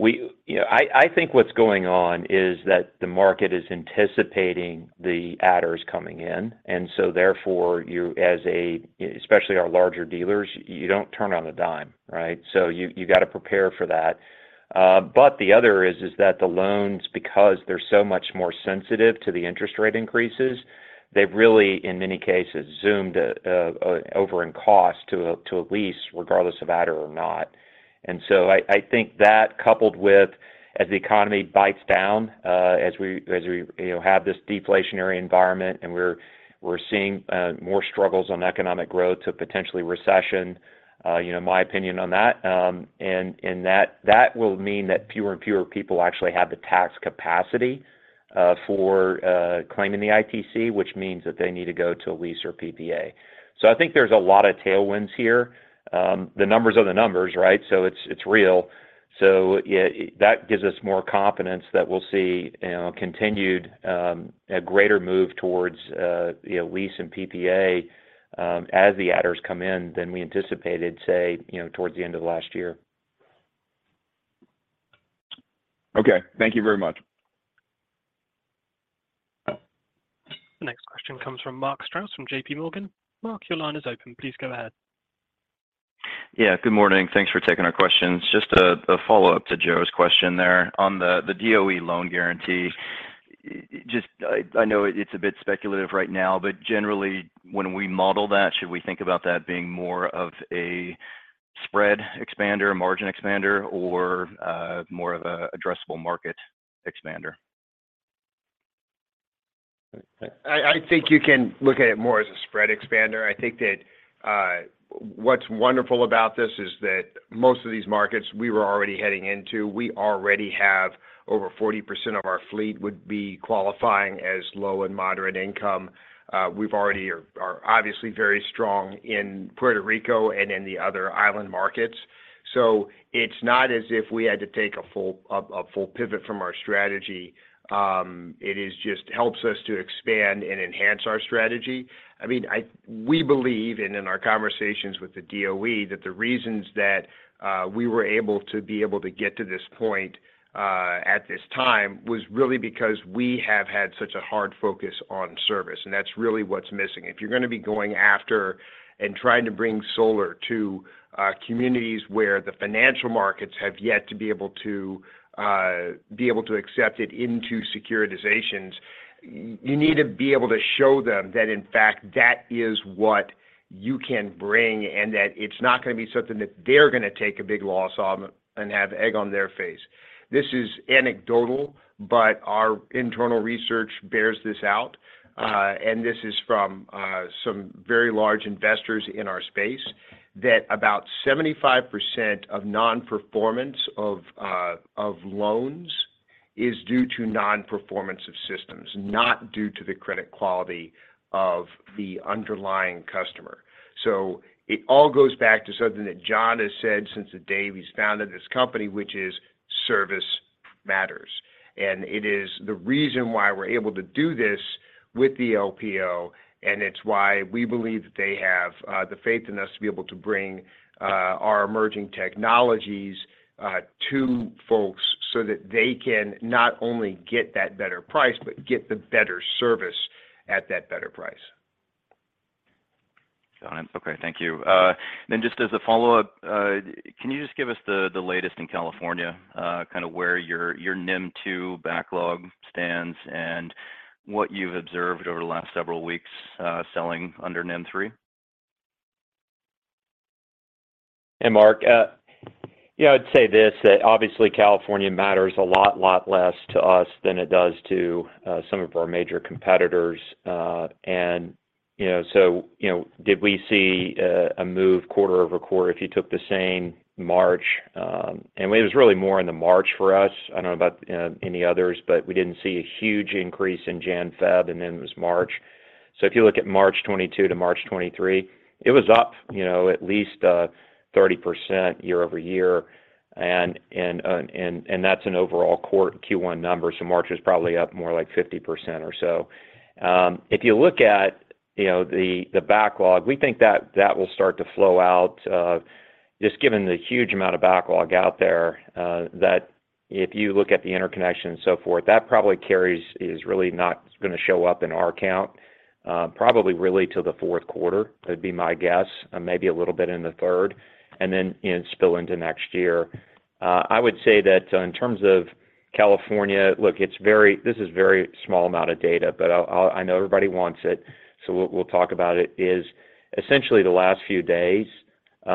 I think what's going on is that the market is anticipating the adders coming in, therefore you as a, especially our larger dealers, you don't turn on a dime, right? You gotta prepare for that. The other is that the loans, because they're so much more sensitive to the interest rate increases, they've really, in many cases, zoomed over in cost to a lease regardless of adder or not. I think that coupled with as the economy bites down, as we, you know, have this deflationary environment and we're seeing more struggles on economic growth to potentially recession, you know, my opinion on that, and that will mean that fewer and fewer people actually have the tax capacity for claiming the ITC, which means that they need to go to a lease or PPA. I think there's a lot of tailwinds here. The numbers are the numbers, right? It's real. Yeah, that gives us more confidence that we'll see, you know, continued, a greater move towards, you know, lease and PPA, as the adders come in than we anticipated, say, you know, towards the end of last year. Okay. Thank you very much. The next question comes from Mark Strouse from JPMorgan. Mark, your line is open. Please go ahead. Yeah. Good morning. Thanks for taking our questions. Just a follow-up to Joe's question there on the DOE loan guarantee. Just I know it's a bit speculative right now, but generally when we model that, should we think about that being more of a spread expander, a margin expander or more of a addressable market expander? I think you can look at it more as a spread expander. I think that what's wonderful about this is that most of these markets we were already heading into, we already have over 40% of our fleet would be qualifying as low and moderate income. We've already are obviously very strong in Puerto Rico and in the other island markets. It's not as if we had to take a full pivot from our strategy, it is just helps us to expand and enhance our strategy. I mean, we believe, and in our conversations with the DOE, that the reasons that we were able to be able to get to this point at this time was really because we have had such a hard focus on service, and that's really what's missing. If you're gonna be going after and trying to bring solar to communities where the financial markets have yet to be able to accept it into securitizations, you need to be able to show them that in fact that is what you can bring, and that it's not gonna be something that they're gonna take a big loss on and have egg on their face. This is anecdotal, but our internal research bears this out, and this is from some very large investors in our space, that about 75% of non-performance of loans is due to non-performance of systems, not due to the credit quality of the underlying customer. It all goes back to something that John has said since the day he's founded this company, which is service matters. It is the reason why we're able to do this with the LPO, and it's why we believe that they have the faith in us to be able to bring our emerging technologies to folks so that they can not only get that better price, but get the better service at that better price. Got it. Okay. Thank you. Just as a follow-up, can you just give us the latest in California, kind of where your NIM 2 backlog stands and what you've observed over the last several weeks, selling under NIM 3? Hey, Mark. Yeah, I'd say this, that obviously California matters a lot less to us than it does to some of our major competitors. Did we see a move quarter-over-quarter if you took the same March? It was really more in the March for us. I don't know about any others, but we didn't see a huge increase in Jan, Feb, and then it was March. If you look at March 2022-March 2023, it was up, you know, at least 30% year-over-year. That's an overall quarter Q1 number, so March is probably up more like 50% or so. If you look at, you know, the backlog, we think that that will start to flow out, just given the huge amount of backlog out there, that if you look at the interconnection and so forth, that probably carries is really not gonna show up in our count, probably really till the Q4. That'd be my guess, and maybe a little bit in the third, and then, you know, spill into next year. I would say that in terms of California, look, this is very small amount of data, but I know everybody wants it, so we'll talk about it, is essentially the last few days, you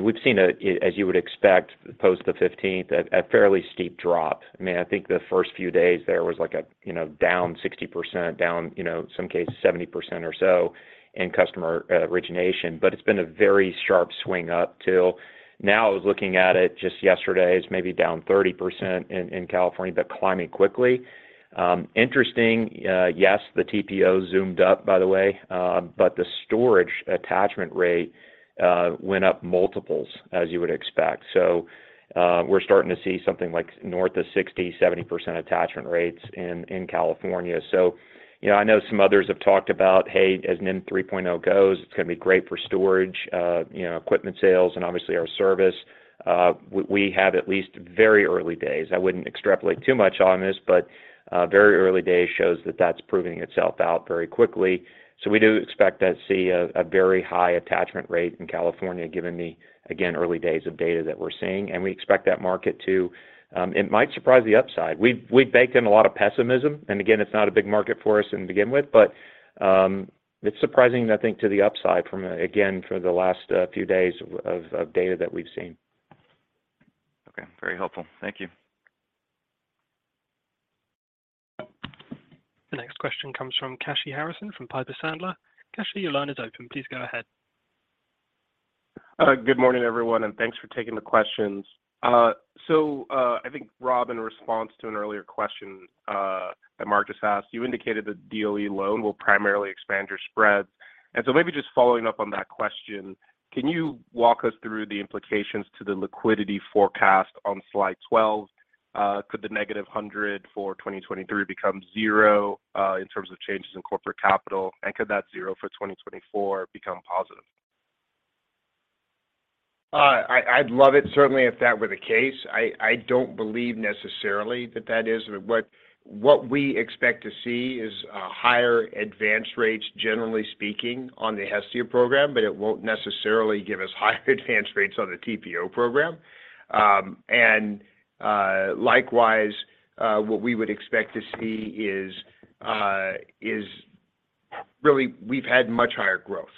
know, we've seen a, as you would expect, post the 15th, a fairly steep drop. I mean, I think the first few days there was like a, you know, down 60%, down, you know, some cases 70% or so in customer origination. It's been a very sharp swing up till now. I was looking at it just yesterday, it's maybe down 30% in California, but climbing quickly. Interesting, yes, the TPO zoomed up, by the way, the storage attachment rate went up multiples as you would expect. We're starting to see something like north of 60%-70% attachment rates in California. You know, I know some others have talked about, hey, as NIM 3.0 goes, it's gonna be great for storage, you know, equipment sales and obviously our service. We have at least very early days. I wouldn't extrapolate too much on this, but, very early days shows that that's proving itself out very quickly. We do expect to see a very high attachment rate in California given the, again, early days of data that we're seeing. We expect that market to, it might surprise the upside. We've baked in a lot of pessimism, and again, it's not a big market for us to begin with, but, it's surprising, I think, to the upside from, again, for the last, few days of data that we've seen. Okay. Very helpful. Thank you. The next question comes from Kashy Harrison from Piper Sandler. Kashy, your line is open. Please go ahead. Good morning, everyone, and thanks for taking the questions. I think, Rob, in response to an earlier question, that Mark just asked, you indicated the DOE loan will primarily expand your spreads. Maybe just following up on that question, can you walk us through the implications to the liquidity forecast on slide 12? Could the -$100 for 2023 become $0, in terms of changes in corporate capital? Could that $0 for 2024 become positive? I'd love it certainly if that were the case. I don't believe necessarily that that is. What we expect to see is higher advanced rates, generally speaking, on the Hestia program, but it won't necessarily give us higher advanced rates on the TPO program. Likewise, what we would expect to see. Really, we've had much higher growth,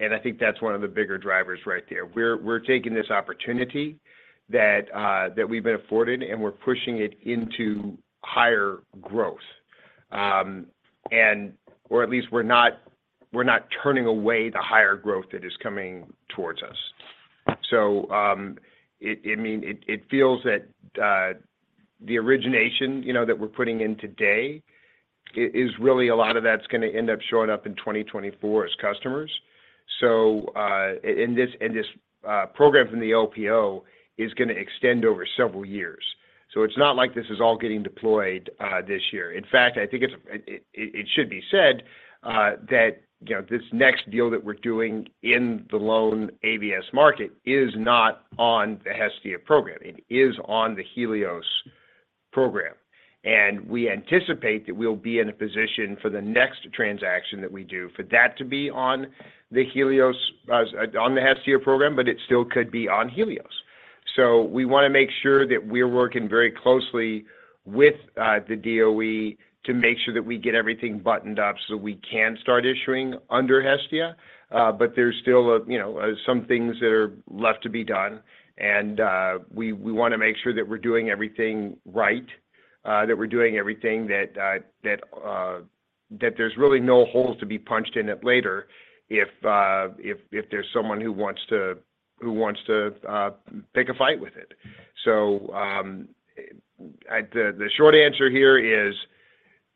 and I think that's one of the bigger drivers right there. We're taking this opportunity that we've been afforded, and we're pushing it into higher growth. Or at least we're not turning away the higher growth that is coming towards us. It feels that, the origination, you know, that we're putting in today is really a lot of that's gonna end up showing up in 2024 as customers. And this program from the LPO is gonna extend over several years. It's not like this is all getting deployed this year. In fact, I think it should be said that, you know, this next deal that we're doing in the loan ABS market is not on the Hestia program. It is on the Helios program. And we anticipate that we'll be in a position for the next transaction that we do for that to be on the Helios on the Hestia program, but it still could be on Helios. We wanna make sure that we're working very closely with the DOE to make sure that we get everything buttoned up so we can start issuing under Hestia. There's still, you know, some things that are left to be done. We wanna make sure that we're doing everything right, that we're doing everything that there's really no holes to be punched in it later if there's someone who wants to pick a fight with it. The short answer here is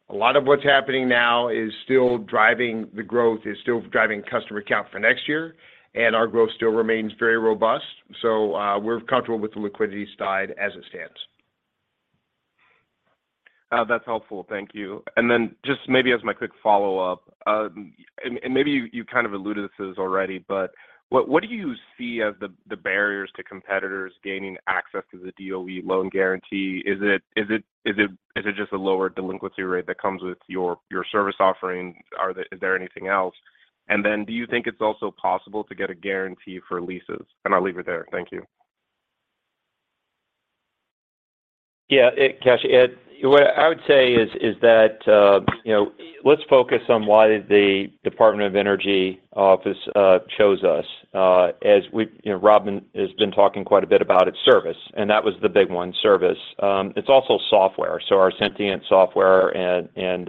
a lot of what's happening now is still driving the growth, is still driving customer count for next year, and our growth still remains very robust. We're comfortable with the liquidity side as it stands. That's helpful. Thank you. Then just maybe as my quick follow-up, maybe you kind of alluded to this already, but what do you see as the barriers to competitors gaining access to the DOE loan guarantee? Is it just a lower delinquency rate that comes with your service offering? Is there anything else? Then do you think it's also possible to get a guarantee for leases? I'll leave it there. Thank you. Yeah, Kashy, what I would say is that, you know, let's focus on why the Department of Energy office chose us. As you know, Robin has been talking quite a bit about its service, and that was the big one, service. It's also software. Our Sunnova Sentient software and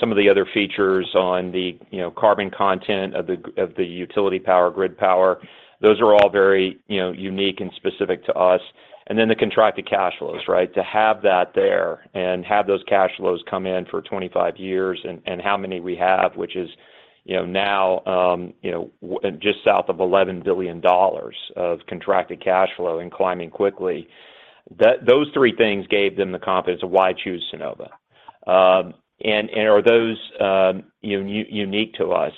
some of the other features on the, you know, carbon content of the, of the utility power, grid power, those are all very, you know, unique and specific to us. Then the contracted cash flows, right? To have that there and have those cash flows come in for 25 years and how many we have, which is, you know, now, you know, just south of $11 billion of contracted cash flow and climbing quickly. Those three things gave them the confidence of why choose Sunnova. Are those unique to us?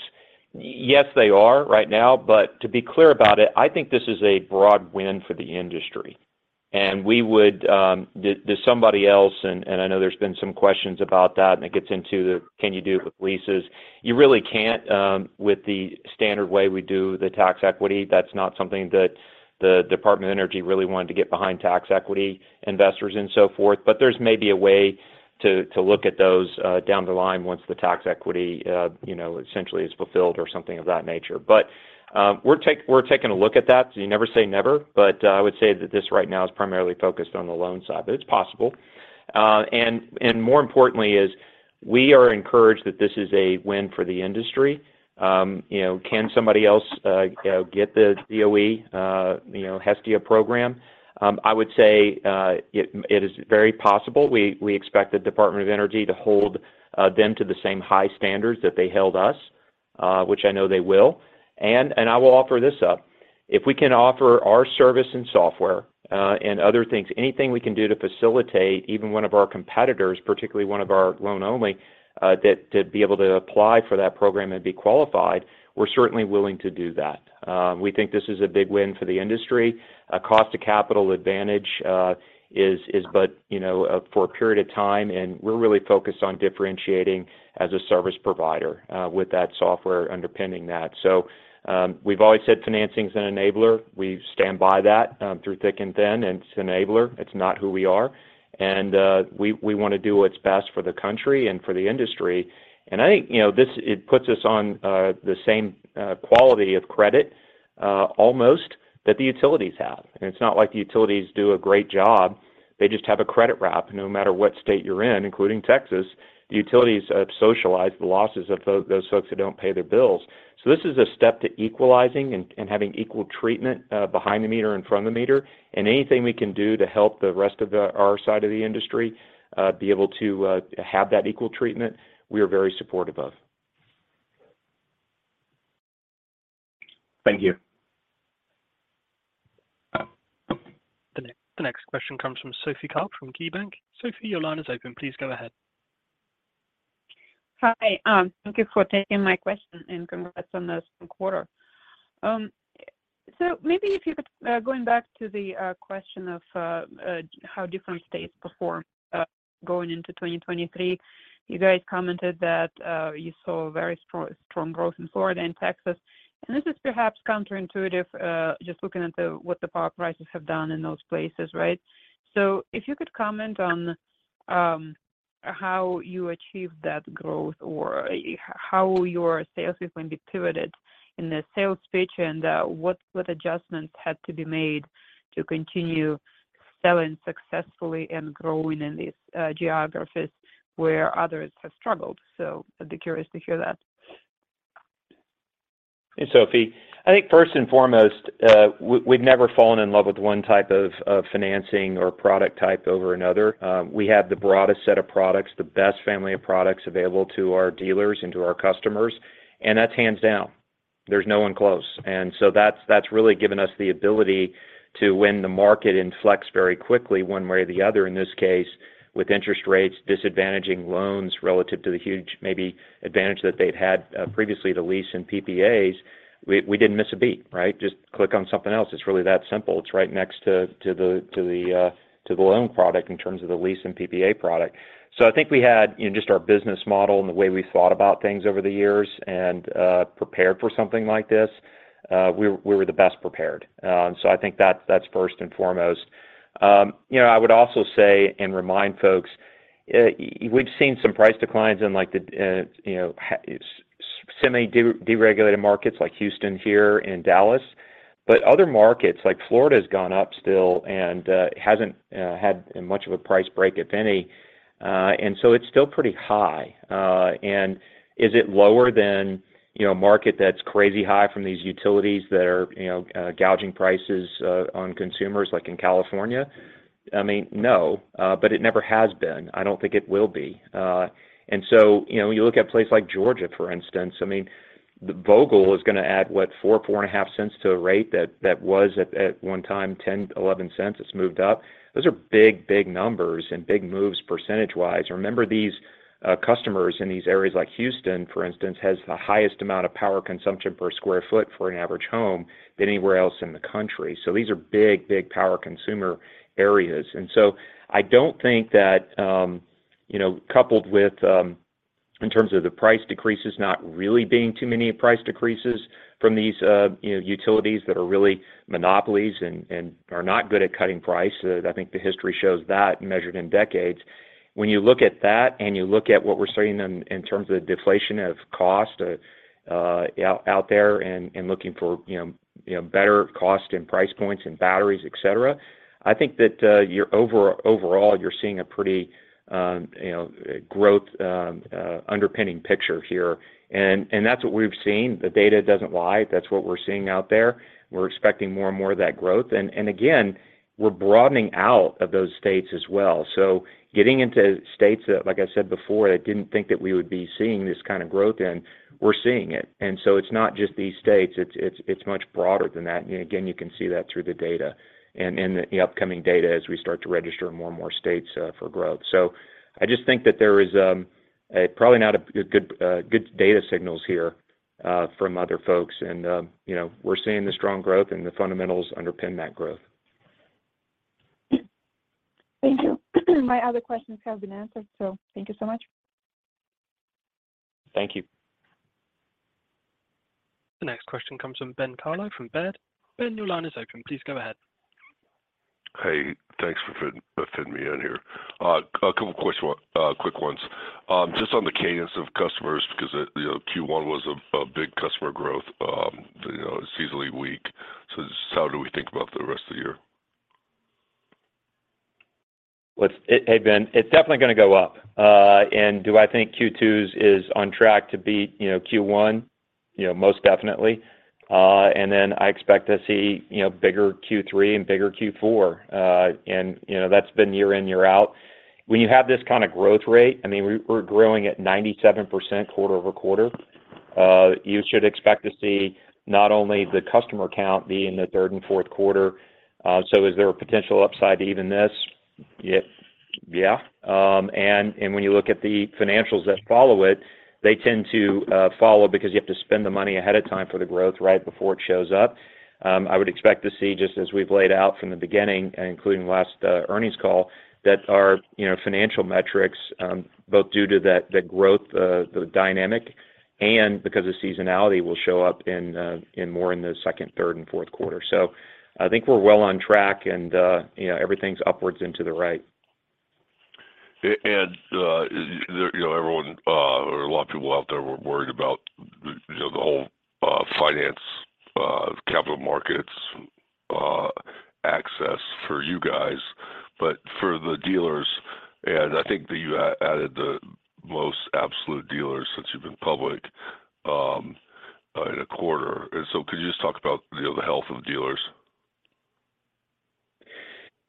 Yes, they are right now. To be clear about it, I think this is a broad win for the industry. We would, there's somebody else, I know there's been some questions about that, it gets into the, can you do it with leases? You really can't, with the standard way we do the tax equity. That's not something that the Department of Energy really wanted to get behind tax equity investors and so forth. There's maybe a way to look at those down the line once the tax equity, you know, essentially is fulfilled or something of that nature. We're taking a look at that, you never say never. I would say that this right now is primarily focused on the loan side, but it's possible. And more importantly is we are encouraged that this is a win for the industry. You know, can somebody else, you know, get the DOE, you know, Hestia program? I would say, it is very possible. We expect the Department of Energy to hold them to the same high standards that they held us, which I know they will. And I will offer this up. If we can offer our service and software, and other things, anything we can do to facilitate even one of our competitors, particularly one of our loan-only, to be able to apply for that program and be qualified, we're certainly willing to do that. We think this is a big win for the industry. A cost to capital advantage, you know, for a period of time, and we're really focused on differentiating as a service provider with that software underpinning that. We've always said financing is an enabler. We stand by that through thick and thin, and it's an enabler. It's not who we are. We wanna do what's best for the country and for the industry. I think, you know, it puts us on the same quality of credit almost that the utilities have. It's not like the utilities do a great job. They just have a credit wrap. No matter what state you're in, including Texas, the utilities have socialized the losses of those folks who don't pay their bills. This is a step to equalizing and having equal treatment, behind the meter and from the meter. Anything we can do to help our side of the industry, be able to, have that equal treatment, we are very supportive of. Thank you. The next question comes from Sophie Karp from KeyBanc. Sophie, your line is open. Please go ahead. Hi. Thank you for taking my question, and congrats on this quarter. Maybe if you could, going back to the question of how different states perform, going into 2023. You guys commented that you saw very strong growth in Florida and Texas. This is perhaps counterintuitive, just looking at what the power prices have done in those places, right? If you could comment on how you achieve that growth or how your sales is going to be pivoted in the sales pitch and what adjustments had to be made to continue selling successfully and growing in these geographies where others have struggled. I'd be curious to hear that. Hey, Sophie. I think first and foremost, we've never fallen in love with one type of financing or product type over another. We have the broadest set of products, the best family of products available to our dealers and to our customers, and that's hands down. There's no one close. That's really given us the ability to win the market and flex very quickly one way or the other, in this case, with interest rates, disadvantaging loans relative to the huge maybe advantage that they'd had previously to lease and PPAs. We didn't miss a beat, right? Just click on something else. It's really that simple. It's right next to the loan product in terms of the lease and PPA product. I think we had, you know, just our business model and the way we thought about things over the years and prepared for something like this, we were the best prepared. I think that's first and foremost. You know, I would also say and remind folks, we've seen some price declines in like the, you know, semi deregulated markets like Houston here and Dallas. Other markets like Florida's gone up still and hasn't had much of a price break, if any. It's still pretty high. Is it lower than, you know, a market that's crazy high from these utilities that are, you know, gouging prices on consumers like in California? I mean, no, but it never has been. I don't think it will be. You know, when you look at places like Georgia, for instance, I mean, Vogtle is gonna add, what, $0.045 to a rate that was at one time $0.10, $0.11. It's moved up. Those are big, big numbers and big moves percentage-wise. Remember these customers in these areas like Houston, for instance, has the highest amount of power consumption per square foot for an average home than anywhere else in the country. These are big, big power consumer areas. I don't think that, you know, coupled with, in terms of the price decreases not really being too many price decreases from these, you know, utilities that are really monopolies and are not good at cutting price. I think the history shows that measured in decades. When you look at that, and you look at what we're seeing in terms of the deflation of cost, out there and looking for, you know, better cost and price points and batteries, et cetera, I think that, you're overall, you're seeing a pretty, you know, growth underpinning picture here. That's what we've seen. The data doesn't lie. That's what we're seeing out there. We're expecting more and more of that growth. Again, we're broadening out of those states as well. Getting into states that, like I said before, that didn't think that we would be seeing this kind of growth in, we're seeing it. It's not just these states, it's much broader than that. Again, you can see that through the data and the upcoming data as we start to register in more and more states for growth. I just think that there is probably not a good data signals here from other folks. You know, we're seeing the strong growth and the fundamentals underpin that growth. Thank you. My other questions have been answered, so thank you so much. Thank you. The next question comes from Ben Kallo from Baird. Ben, your line is open. Please go ahead. Hey, thanks for fitting me in here. A couple of question, quick ones. Just on the cadence of customers, because, you know, Q1 was a big customer growth, you know, seasonally weak. Just how do we think about the rest of the year? Hey, Ben. It's definitely going to go up. Do I think Q2's is on track to beat, you know, Q1? You know, most definitely. I expect to see, you know, bigger Q3 and bigger Q4. You know, that's been year in, year out. When you have this kind of growth rate, I mean, we're growing at 97% quarter-over-quarter. You should expect to see not only the customer count be in the third and Q4. Is there a potential upside to even this? Yeah. When you look at the financials that follow it, they tend to follow because you have to spend the money ahead of time for the growth right before it shows up. I would expect to see, just as we've laid out from the beginning, including last earnings call, that our, you know, financial metrics, both due to the growth, the dynamic and because the seasonality will show up in more in the second, third and Q4. I think we're well on track and, you know, everything's upwards and to the right. You know, everyone, or a lot of people out there were worried about the, you know, the whole, finance, capital markets, access for you guys, but for the dealers, and I think that you added the most absolute dealers since you've been public, in a quarter. Could you just talk about, you know, the health of dealers?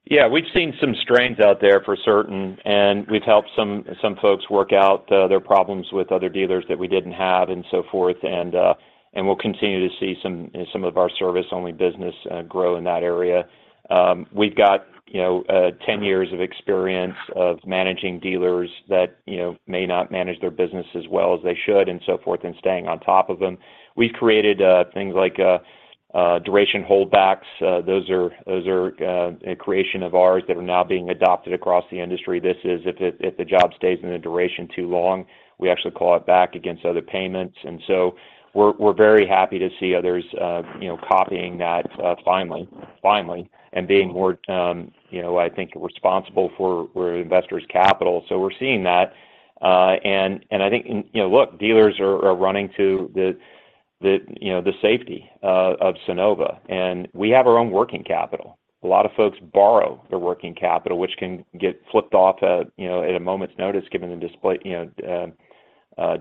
Yeah. We've seen some strains out there for certain, and we've helped some folks work out their problems with other dealers that we didn't have and so forth. We'll continue to see some of our service only business grow in that area. We've got, you know, 10 years of experience of managing dealers that, you know, may not manage their business as well as they should and so forth, and staying on top of them. We've created things like duration holdbacks. Those are a creation of ours that are now being adopted across the industry. This is if the, if the job stays in the duration too long, we actually call it back against other payments. We're very happy to see others copying that finally and being more I think responsible for where investors' capital. We're seeing that. I think dealers are running to the safety of Sunnova, and we have our own working capital. A lot of folks borrow their working capital, which can get flipped off at a moment's notice given the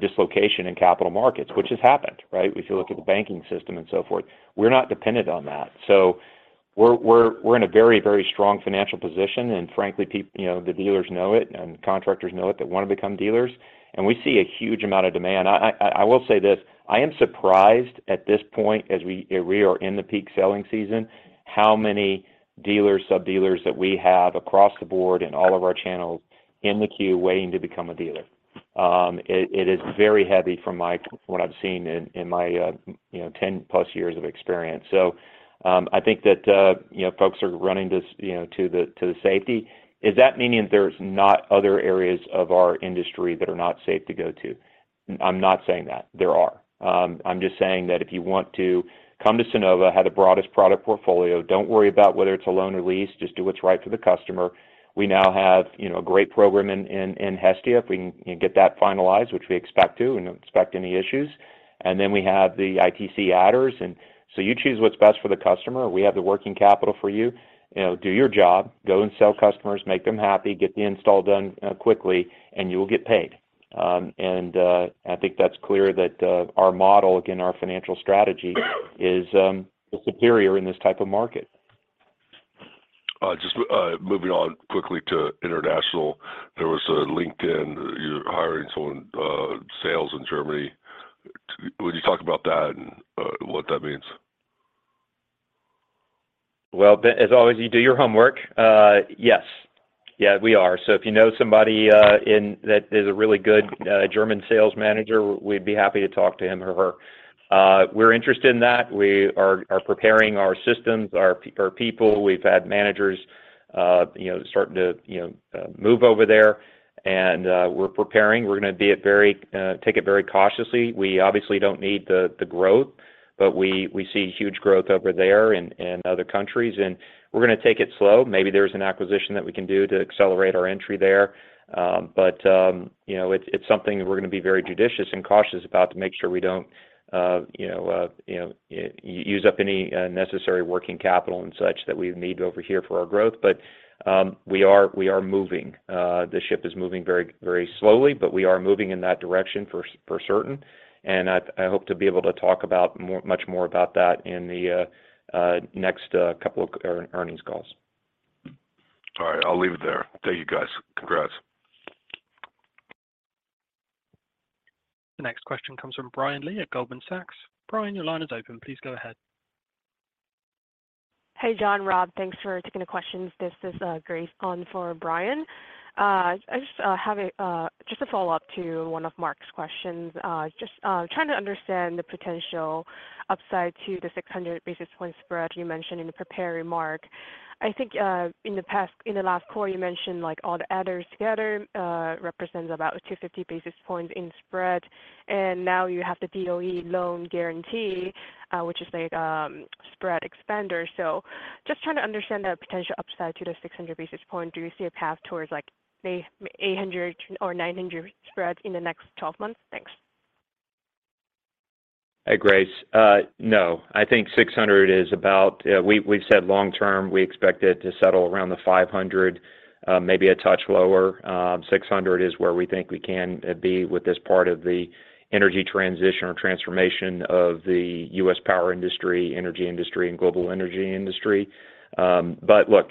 dislocation in capital markets, which has happened, right? If you look at the banking system and so forth. We're not dependent on that. We're in a very strong financial position, and frankly, the dealers know it and contractors know it that wanna become dealers. We see a huge amount of demand. I will say this: I am surprised at this point as we are in the peak selling season, how many dealers, sub-dealers that we have across the board in all of our channels in the queue waiting to become a dealer. It is very heavy from my... what I've seen in my, you know, 10+ years of experience. I think that, you know, folks are running to, you know, the safety. Is that meaning that there's not other areas of our industry that are not safe to go to? I'm not saying that. There are. I'm just saying that if you want to come to Sunnova, have the broadest product portfolio, don't worry about whether it's a loan or lease, just do what's right for the customer. We now have, you know, a great program in Hestia if we can get that finalized, which we expect to and don't expect any issues. We have the ITC adders, you choose what's best for the customer. We have the working capital for you. You know, do your job, go and sell customers, make them happy, get the install done quickly, and you will get paid. And I think that's clear that our model, again, our financial strategy is superior in this type of market. Just moving on quickly to international, there was a LinkedIn, you're hiring someone, sales in Germany. Would you talk about that and, what that means? Well, as always, you do your homework. Yes. Yeah, we are. If you know somebody, that is a really good German sales manager, we'd be happy to talk to him or her. We're interested in that. We are preparing our systems, our people. We've had managers, you know, starting to, you know, move over there and we're preparing. We're gonna take it very cautiously. We obviously don't need the growth, we see huge growth over there in other countries, and we're gonna take it slow. Maybe there's an acquisition that we can do to accelerate our entry there. You know, it's something that we're gonna be very judicious and cautious about to make sure we don't, you know, use up any necessary working capital and such that we need over here for our growth. We are moving. The ship is moving very, very slowly, but we are moving in that direction for certain. I hope to be able to talk about more, much more about that in the next couple of earnings calls. All right. I'll leave it there. Thank you, guys. Congrats. The next question comes from Brian Lee at Goldman Sachs. Brian, your line is open. Please go ahead. Hey, John, Rob, thanks for taking the questions. This is Grace on for Brian. I just have a just a follow-up to one of Mark's questions. Just trying to understand the potential upside to the 600 basis point spread you mentioned in the prepared remark. I think in the last call you mentioned like all the adders together, represents about 250 basis points in spread, and now you have the DOE loan guarantee, which is a spread expander. Just trying to understand the potential upside to the 600 basis point. Do you see a path towards like 800 or 900 spread in the next 12 months? Thanks. Hey, Grace. No. I think 600. We've said long term, we expect it to settle around the 500, maybe a touch lower. 600 is where we think we can be with this part of the energy transition or transformation of the U.S. power industry, energy industry and global energy industry. Look,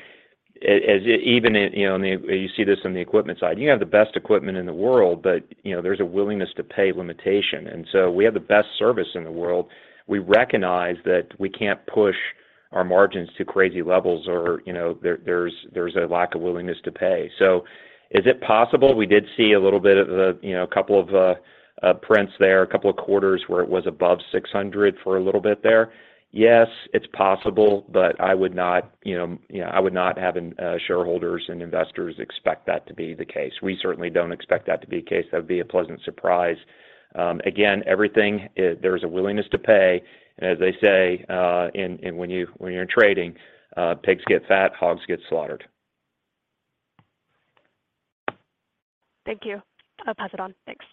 as even in, you know, and you see this on the equipment side, you can have the best equipment in the world, but, you know, there's a willingness to pay limitation. We have the best service in the world. We recognize that we can't push our margins to crazy levels or, you know, there's a lack of willingness to pay. Is it possible? We did see a little bit of the, you know, a couple of prints there, a couple of quarters where it was above 600 for a little bit there. Yes, it's possible, but I would not, you know, I would not have shareholders and investors expect that to be the case. We certainly don't expect that to be the case. That would be a pleasant surprise. Again, everything, there's a willingness to pay, and as they say, when you're in trading, pigs get fat, hogs get slaughtered. Thank you. I'll pass it on. Thanks.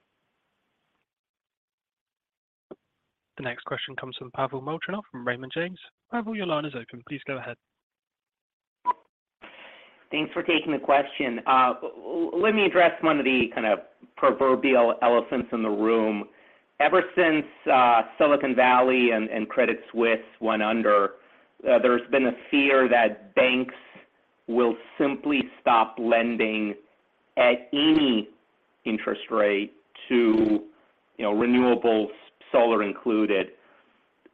The next question comes from Pavel Molchanov from Raymond James. Pavel, your line is open. Please go ahead. Thanks for taking the question. Let me address one of the kind of proverbial elephants in the room. Ever since Silicon Valley and Credit Suisse went under, there's been a fear that banks will simply stop lending at any interest rate to, you know, renewables, solar included.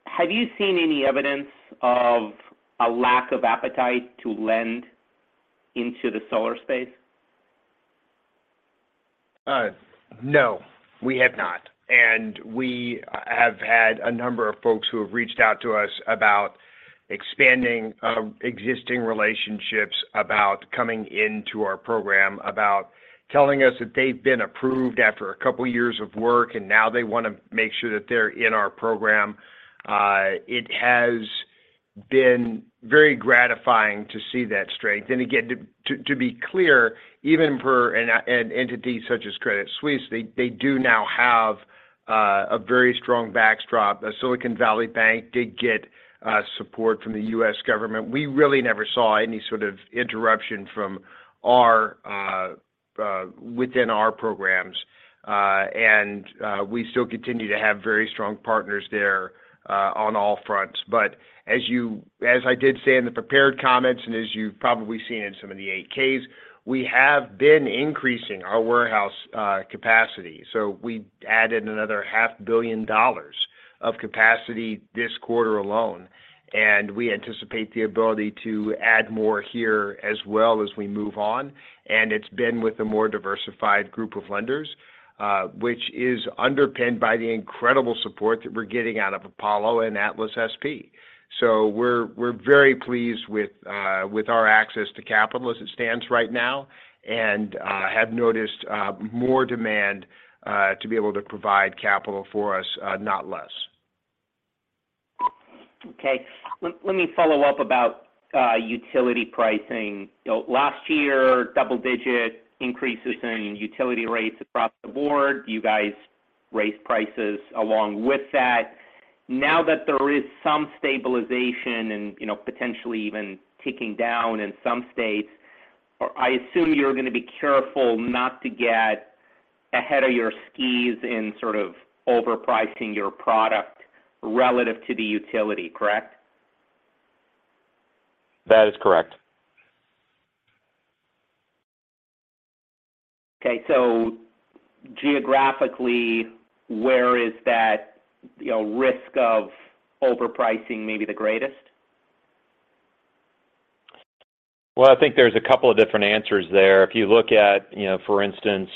Have you seen any evidence of a lack of appetite to lend into the solar space? No, we have not. We have had a number of folks who have reached out to us about expanding existing relationships, about coming into our program, about telling us that they've been approved after a couple of years of work, and now they wanna make sure that they're in our program. It has been very gratifying to see that strength. Again, to be clear, even for an entity such as Credit Suisse, they do now have a very strong backdrop. Silicon Valley Bank did get support from the U.S. government. We really never saw any sort of interruption from our within our programs. We still continue to have very strong partners there on all fronts. As I did say in the prepared comments and as you've probably seen in some of the 8-Ks, we have been increasing our warehouse capacity. We added another half billion dollars of capacity this quarter alone, and we anticipate the ability to add more here as well as we move on. It's been with a more diversified group of lenders, which is underpinned by the incredible support that we're getting out of Apollo and ATLAS SP. We're very pleased with our access to capital as it stands right now, and have noticed more demand to be able to provide capital for us, not less. Okay. Let me follow up about utility pricing. You know, last year, double-digit increases in utility rates across the board. You guys raised prices along with that. Now that there is some stabilization and, you know, potentially even ticking down in some states, I assume you're gonna be careful not to get ahead of your skis in sort of overpricing your product relative to the utility, correct? That is correct. Okay. Geographically, where is that, you know, risk of overpricing maybe the greatest? Well, I think there's a couple of different answers there. If you look at, you know, for instance,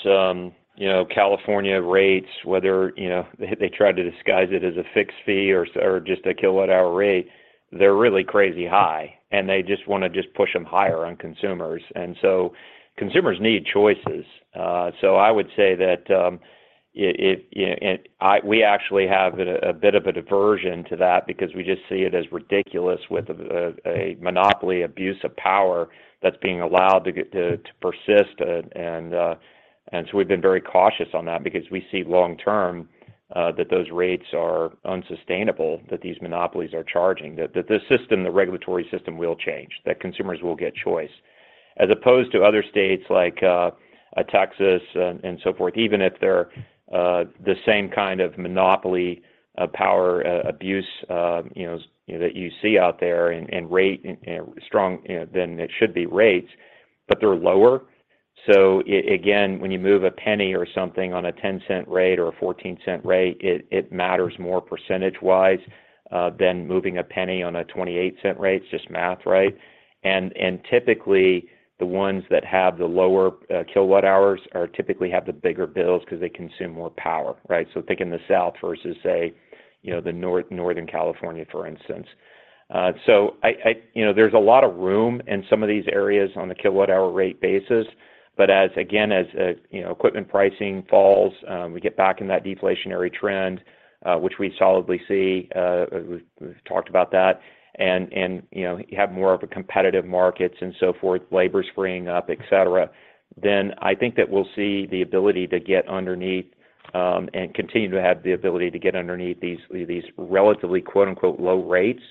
you know, California rates, whether, you know, they try to disguise it as a fixed fee or just a kilowatt-hour rate, they're really crazy high, and they just wanna just push them higher on consumers. Consumers need choices. So I would say that, it, you know, we actually have a bit of a diversion to that because we just see it as ridiculous with a monopoly abuse of power that's being allowed to persist. We've been very cautious on that because we see long term, that those rates are unsustainable, that these monopolies are charging. That the system, the regulatory system will change, that consumers will get choice. As opposed to other states like Texas and so forth, even if they're the same kind of monopoly power abuse, you know, that you see out there and rate, you know, strong than it should be rates, but they're lower. Again, when you move a penny or something on a $0.10 rate or a $0.14 rate, it matters more percentage-wise than moving a penny on a $0.28 rate. It's just math, right? And typically the ones that have the lower kilowatt-hours are typically have the bigger bills because they consume more power, right? Think in the South versus say, you know, the North, Northern California, for instance. I... You know, there's a lot of room in some of these areas on the kilowatt-hour rate basis. As again, as, you know, equipment pricing falls, we get back in that deflationary trend, which we solidly see, we've talked about that, and, you know, you have more of a competitive markets and so forth, labor's freeing up, et cetera, then I think that we'll see the ability to get underneath, and continue to have the ability to get underneath relatively, quote-unquote, low rates.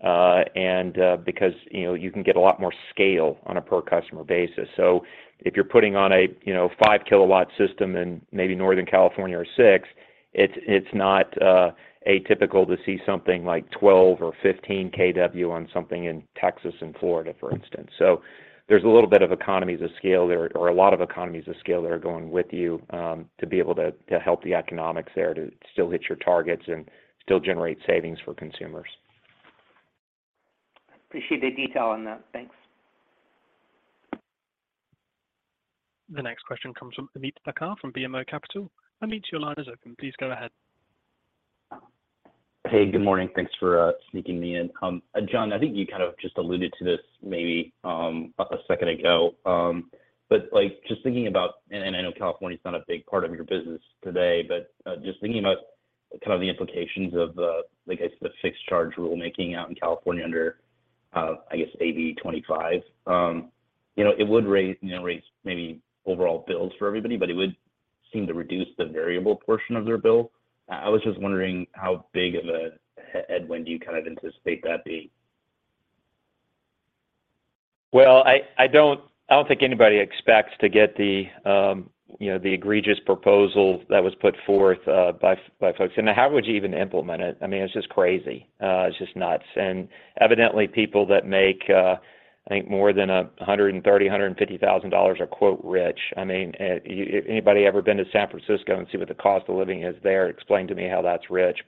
Because, you know, you can get a lot more scale on a per customer basis. If you're putting on a, you know, 5 KW system in maybe Northern California or 6 KW, it's not atypical to see something like 12 KW or 15 KW on something in Texas and Florida, for instance. There's a little bit of economies of scale there, or a lot of economies of scale that are going with you, to be able to help the economics there to still hit your targets and still generate savings for consumers. Appreciate the detail on that. Thanks. The next question comes from Ameet Thakkar from BMO Capital. Ameet, your line is open. Please go ahead. Hey, good morning. Thanks for sneaking me in. John, I think you kind of just alluded to this maybe a second ago. But, like, just thinking about, and I know California's not a big part of your business today, just thinking about kind of the implications of like I said, the fixed charge rulemaking out in California under I guess AB 25. You know, it would raise maybe overall bills for everybody, but it would seem to reduce the variable portion of their bill. I was just wondering how big of a headwind do you kind of anticipate that being? Well, I don't, I don't think anybody expects to get the, you know, the egregious proposal that was put forth by folks. How would you even implement it? I mean, it's just crazy. It's just nuts. Evidently people that make, I think more than $130,000, $150,000 are, quote, rich. I mean, anybody ever been to San Francisco and see what the cost of living is there, explain to me how that's rich?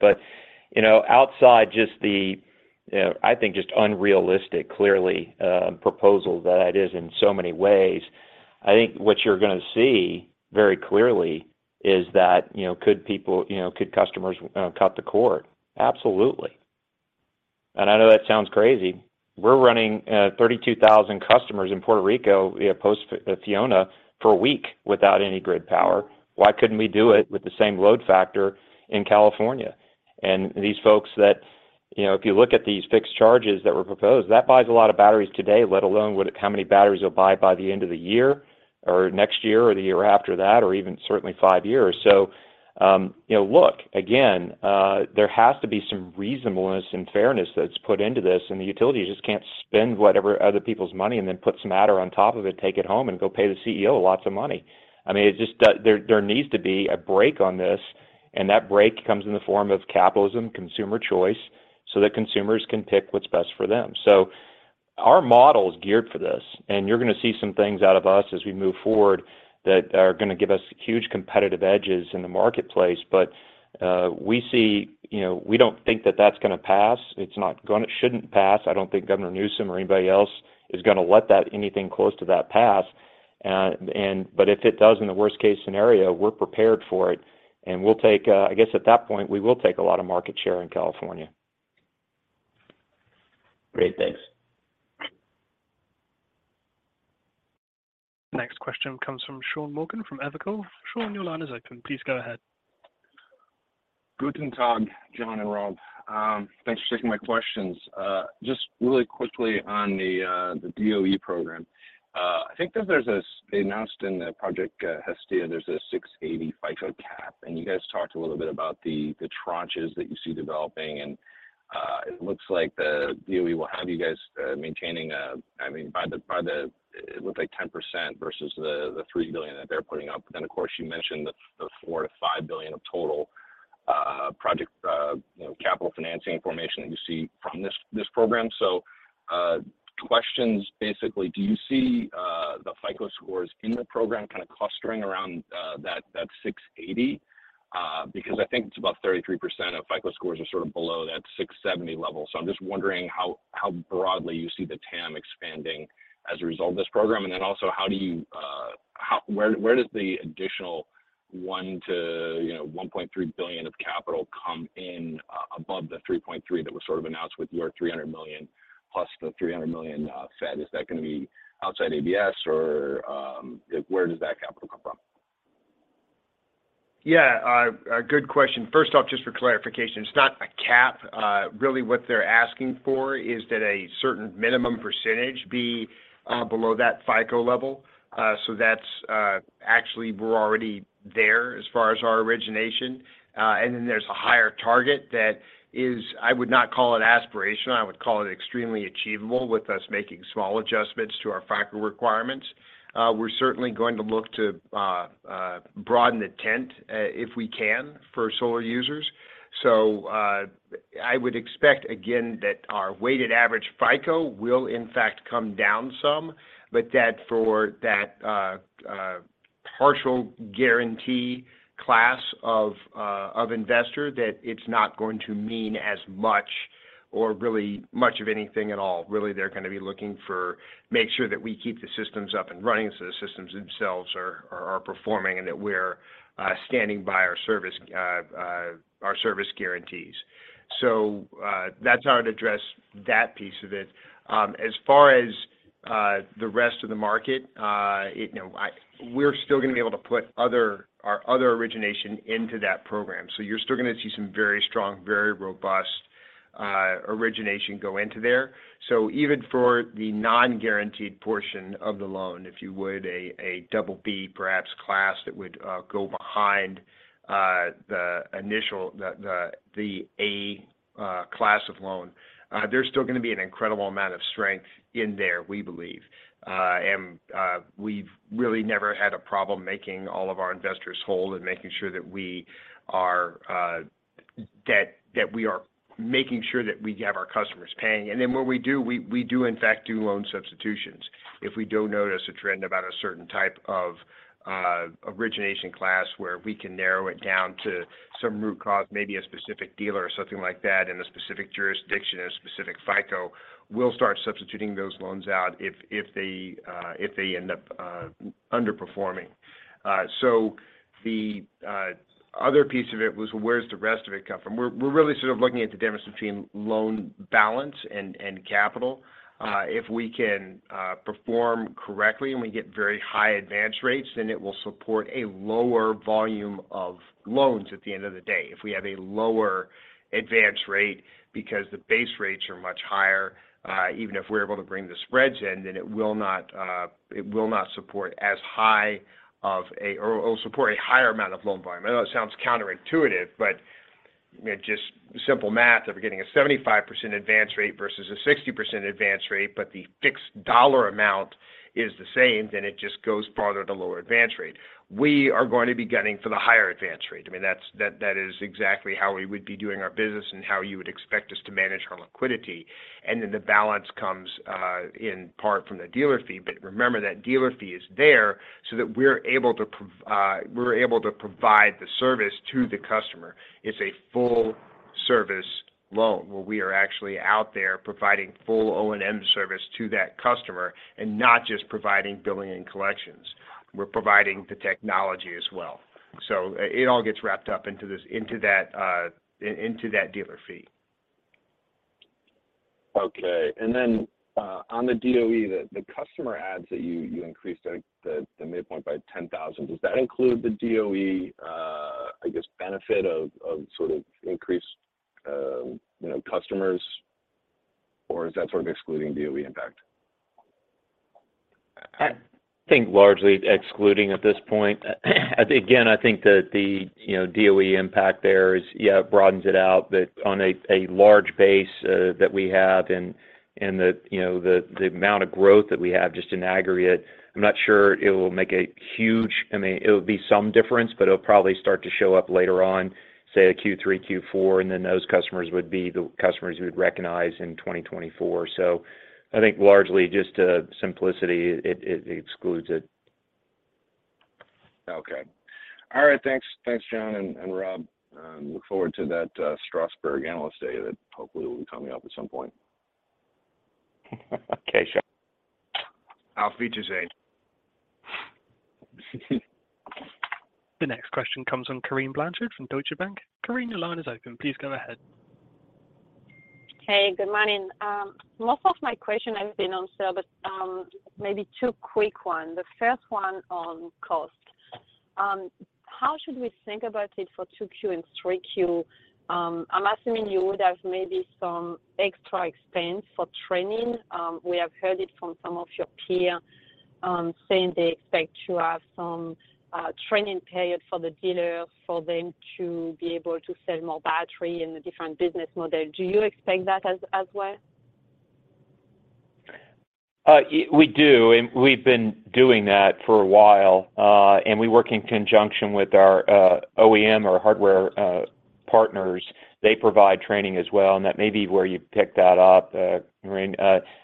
You know, outside just the, I think just unrealistic, clearly, proposal that is in so many ways, I think what you're gonna see very clearly is that, you know, could people, you know, could customers, cut the cord? Absolutely. I know that sounds crazy. We're running 32,000 customers in Puerto Rico, you know, post Fiona for a week without any grid power. Why couldn't we do it with the same load factor in California? These folks that, you know, if you look at these fixed charges that were proposed, that buys a lot of batteries today, let alone how many batteries you'll buy by the end of the year or next year or the year after that, or even certainly five years. You know, look, again, there has to be some reasonableness and fairness that's put into this, and the utilities just can't spend whatever other people's money and then put some matter on top of it, take it home and go pay the CEO lots of money. I mean, there needs to be a break on this, and that break comes in the form of capitalism, consumer choice, so that consumers can pick what's best for them. Our model is geared for this, and you're gonna see some things out of us as we move forward that are gonna give us huge competitive edges in the marketplace. We see, you know, we don't think that that's gonna pass. It shouldn't pass. I don't think Governor Newsom or anybody else is gonna let that anything close to that pass. If it does, in the worst case scenario, we're prepared for it, and we'll take, I guess at that point, we will take a lot of market share in California. Great. Thanks. Next question comes from Sean Morgan from Evercore. Sean, your line is open. Please go ahead. Guten tag, John and Rob. Thanks for taking my questions. Just really quickly on the DOE program. I think that they announced in Project Hestia, there's this 680 FICO cap, and you guys talked a little bit about the tranches that you see developing. It looks like the DOE will have you guys maintaining, I mean, it looks like 10% versus the $3 billion that they're putting up. Then of course, you mentioned the $4 billion-$5 billion of total project, you know, capital financing formation that you see from this program. Questions basically, do you see the FICO scores in the program kind of clustering around that 680? Because I think it's about 33% of FICO scores are sort of below that 670 level. I'm just wondering how broadly you see the TAM expanding as a result of this program. Also where does the additional $1 billion-$1.3 billion of capital come in above the $3.3 billion that was sort of announced with your $300 million plus the $300 million fed? Is that gonna be outside ABS or where does that capital come from? Yeah. A good question. First off, just for clarification, it's not a cap. Really what they're asking for is that a certain minimum percentage be below that FICO level. That's actually we're already there as far as our origination. Then there's a higher target that is, I would not call it aspirational. I would call it extremely achievable with us making small adjustments to our FICO requirements. We're certainly going to look to broaden the tent if we can for solar users. I would expect again, that our weighted average FICO will in fact come down some, but that for that partial guarantee class of investor, that it's not going to mean as much or really much of anything at all. Really, they're gonna be looking for make sure that we keep the systems up and running, the systems themselves are performing and that we're standing by our service guarantees. That's how I'd address that piece of it. As far as the rest of the market, you know, we're still gonna be able to put other, our other origination into that program. You're still gonna see some very strong, very robust origination go into there. Even for the non-guaranteed portion of the loan, if you would, a double B perhaps class that would go behind the initial, the A class of loan, there's still gonna be an incredible amount of strength in there, we believe. We've really never had a problem making all of our investors whole and making sure that we are making sure that we have our customers paying. When we do, we do in fact do loan substitutions if we do notice a trend about a certain type of origination class where we can narrow it down to some root cause, maybe a specific dealer or something like that in a specific jurisdiction, a specific FICO, we'll start substituting those loans out if they end up underperforming. The other piece of it was where's the rest of it come from? We're really sort of looking at the difference between loan balance and capital. If we can perform correctly and we get very high advance rates, then it will support a lower volume of loans at the end of the day. If we have a lower advance rate because the base rates are much higher, even if we're able to bring the spreads in, then it will not support a higher amount of loan volume. I know it sounds counterintuitive, but, you know, just simple math of getting a 75% advance rate versus a 60% advance rate, but the fixed dollar amount is the same, then it just goes farther to lower advance rate. We are going to be gunning for the higher advance rate. I mean, that's, that is exactly how we would be doing our business and how you would expect us to manage our liquidity. The balance comes in part from the dealer fee. Remember that dealer fee is there so that we're able to provide the service to the customer. It's a full service loan where we are actually out there providing full O&M service to that customer and not just providing billing and collections. We're providing the technology as well. It all gets wrapped up into this, into that, into that dealer fee. Okay. On the DOE that the customer adds that you increased, like, the midpoint by 10,000, does that include the DOE, I guess, benefit of sort of increased, you know, customers? Is that sort of excluding DOE impact? I think largely excluding at this point. I think that the, you know, DOE impact there is, yeah, it broadens it out, but on a large base that we have and the, you know, the amount of growth that we have just in aggregate, I'm not sure it will make a huge. I mean, it would be some difference, but it'll probably start to show up later on, say, a Q3, Q4, and then those customers would be the customers we would recognize in 2024. I think largely just to simplicity, it excludes it. Okay. All right, thanks. Thanks, John and Rob. Look forward to that Strasbourg Analyst Day that hopefully will be coming up at some point. Okay, sure. Auf wiedersehen. The next question comes from Corinne Blanchard from Deutsche Bank. Corinne, your line is open. Please go ahead. Hey, good morning. Most of my question has been answered, but, maybe two quick one. The first one on cost. How should we think about it for Q2 and Q3? I'm assuming you would have maybe some extra expense for training. We have heard it from some of your peer, saying they expect to have some, training period for the dealer for them to be able to sell more battery in the different business model. Do you expect that as well? We do, and we've been doing that for a while. We work in conjunction with our OEM or hardware partners. They provide training as well, and that may be where you pick that up. Corinne,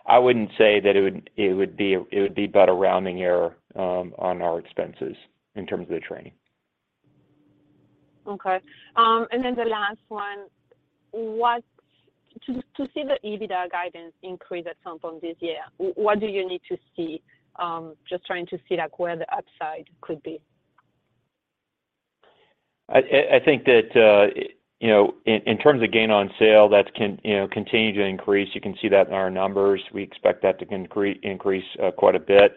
I wouldn't say that it would be but a rounding error on our expenses in terms of the training. Okay. The last one, to see the EBITDA guidance increase at some point this year, what do you need to see? Just trying to see, like, where the upside could be. I think that, you know, in terms of gain on sale, that can, you know, continue to increase. You can see that in our numbers. We expect that to increase quite a bit.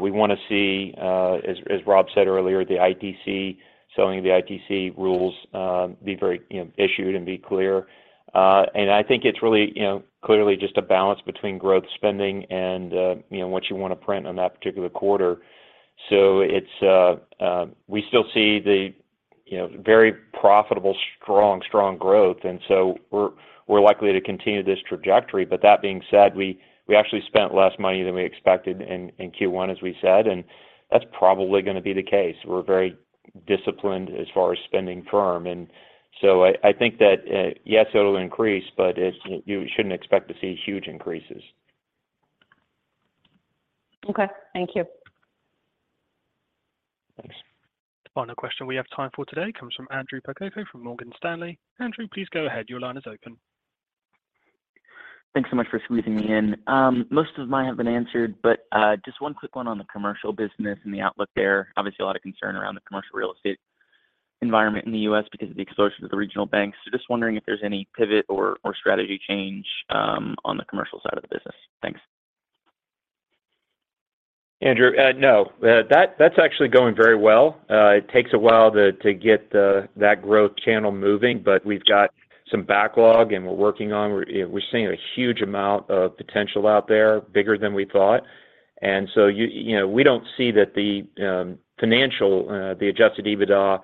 We wanna see, as Rob said earlier, the ITC, selling the ITC rules, be very, you know, issued and be clear. I think it's really, you know, clearly just a balance between growth spending and, you know, what you wanna print on that particular quarter. It's, we still see the, you know, very profitable, strong growth, we're likely to continue this trajectory. That being said, we actually spent less money than we expected in Q1, as we said, that's probably gonna be the case. We're very disciplined as far as spending firm. I think that, yes, it'll increase, but it's... you shouldn't expect to see huge increases. Okay. Thank you. Thanks. The final question we have time for today comes from Andrew Percoco from Morgan Stanley. Andrew, please go ahead. Your line is open. Thanks so much for squeezing me in. Most of mine have been answered, but just one quick one on the commercial business and the outlook there. Obviously, a lot of concern around the commercial real estate environment in the US because of the exposure to the regional banks. Just wondering if there's any pivot or strategy change on the commercial side of the business. Thanks. Andrew, no. That's actually going very well. It takes a while to get the, that growth channel moving, but we've got some backlog. We're seeing a huge amount of potential out there, bigger than we thought. You know, we don't see that the financial, the adjusted EBITDA,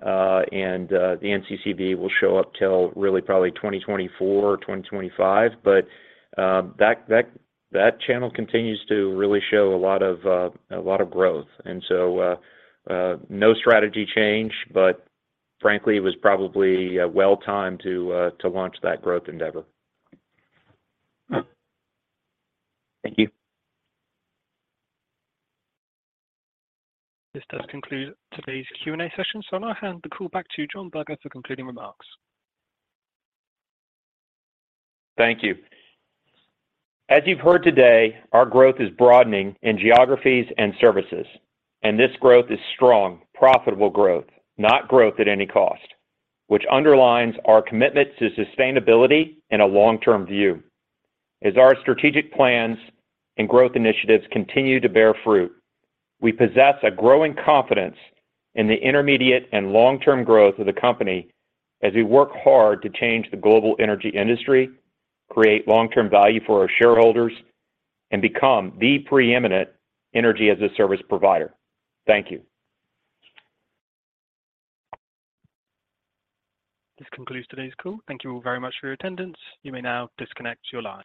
and the NCCV will show up till really probably 2024 or 2025. That channel continues to really show a lot of growth. No strategy change, but frankly, it was probably well timed to launch that growth endeavor. Thank you. This does conclude today's Q&A session. I'll now hand the call back to John Berger for concluding remarks. Thank you. As you've heard today, our growth is broadening in geographies and services. This growth is strong, profitable growth, not growth at any cost, which underlines our commitment to sustainability and a long-term view. As our strategic plans and growth initiatives continue to bear fruit, we possess a growing confidence in the intermediate and long-term growth of the company as we work hard to change the global energy industry, create long-term value for our shareholders, and become the preeminent energy as a service provider. Thank you. This concludes today's call. Thank you all very much for your attendance. You may now disconnect your line.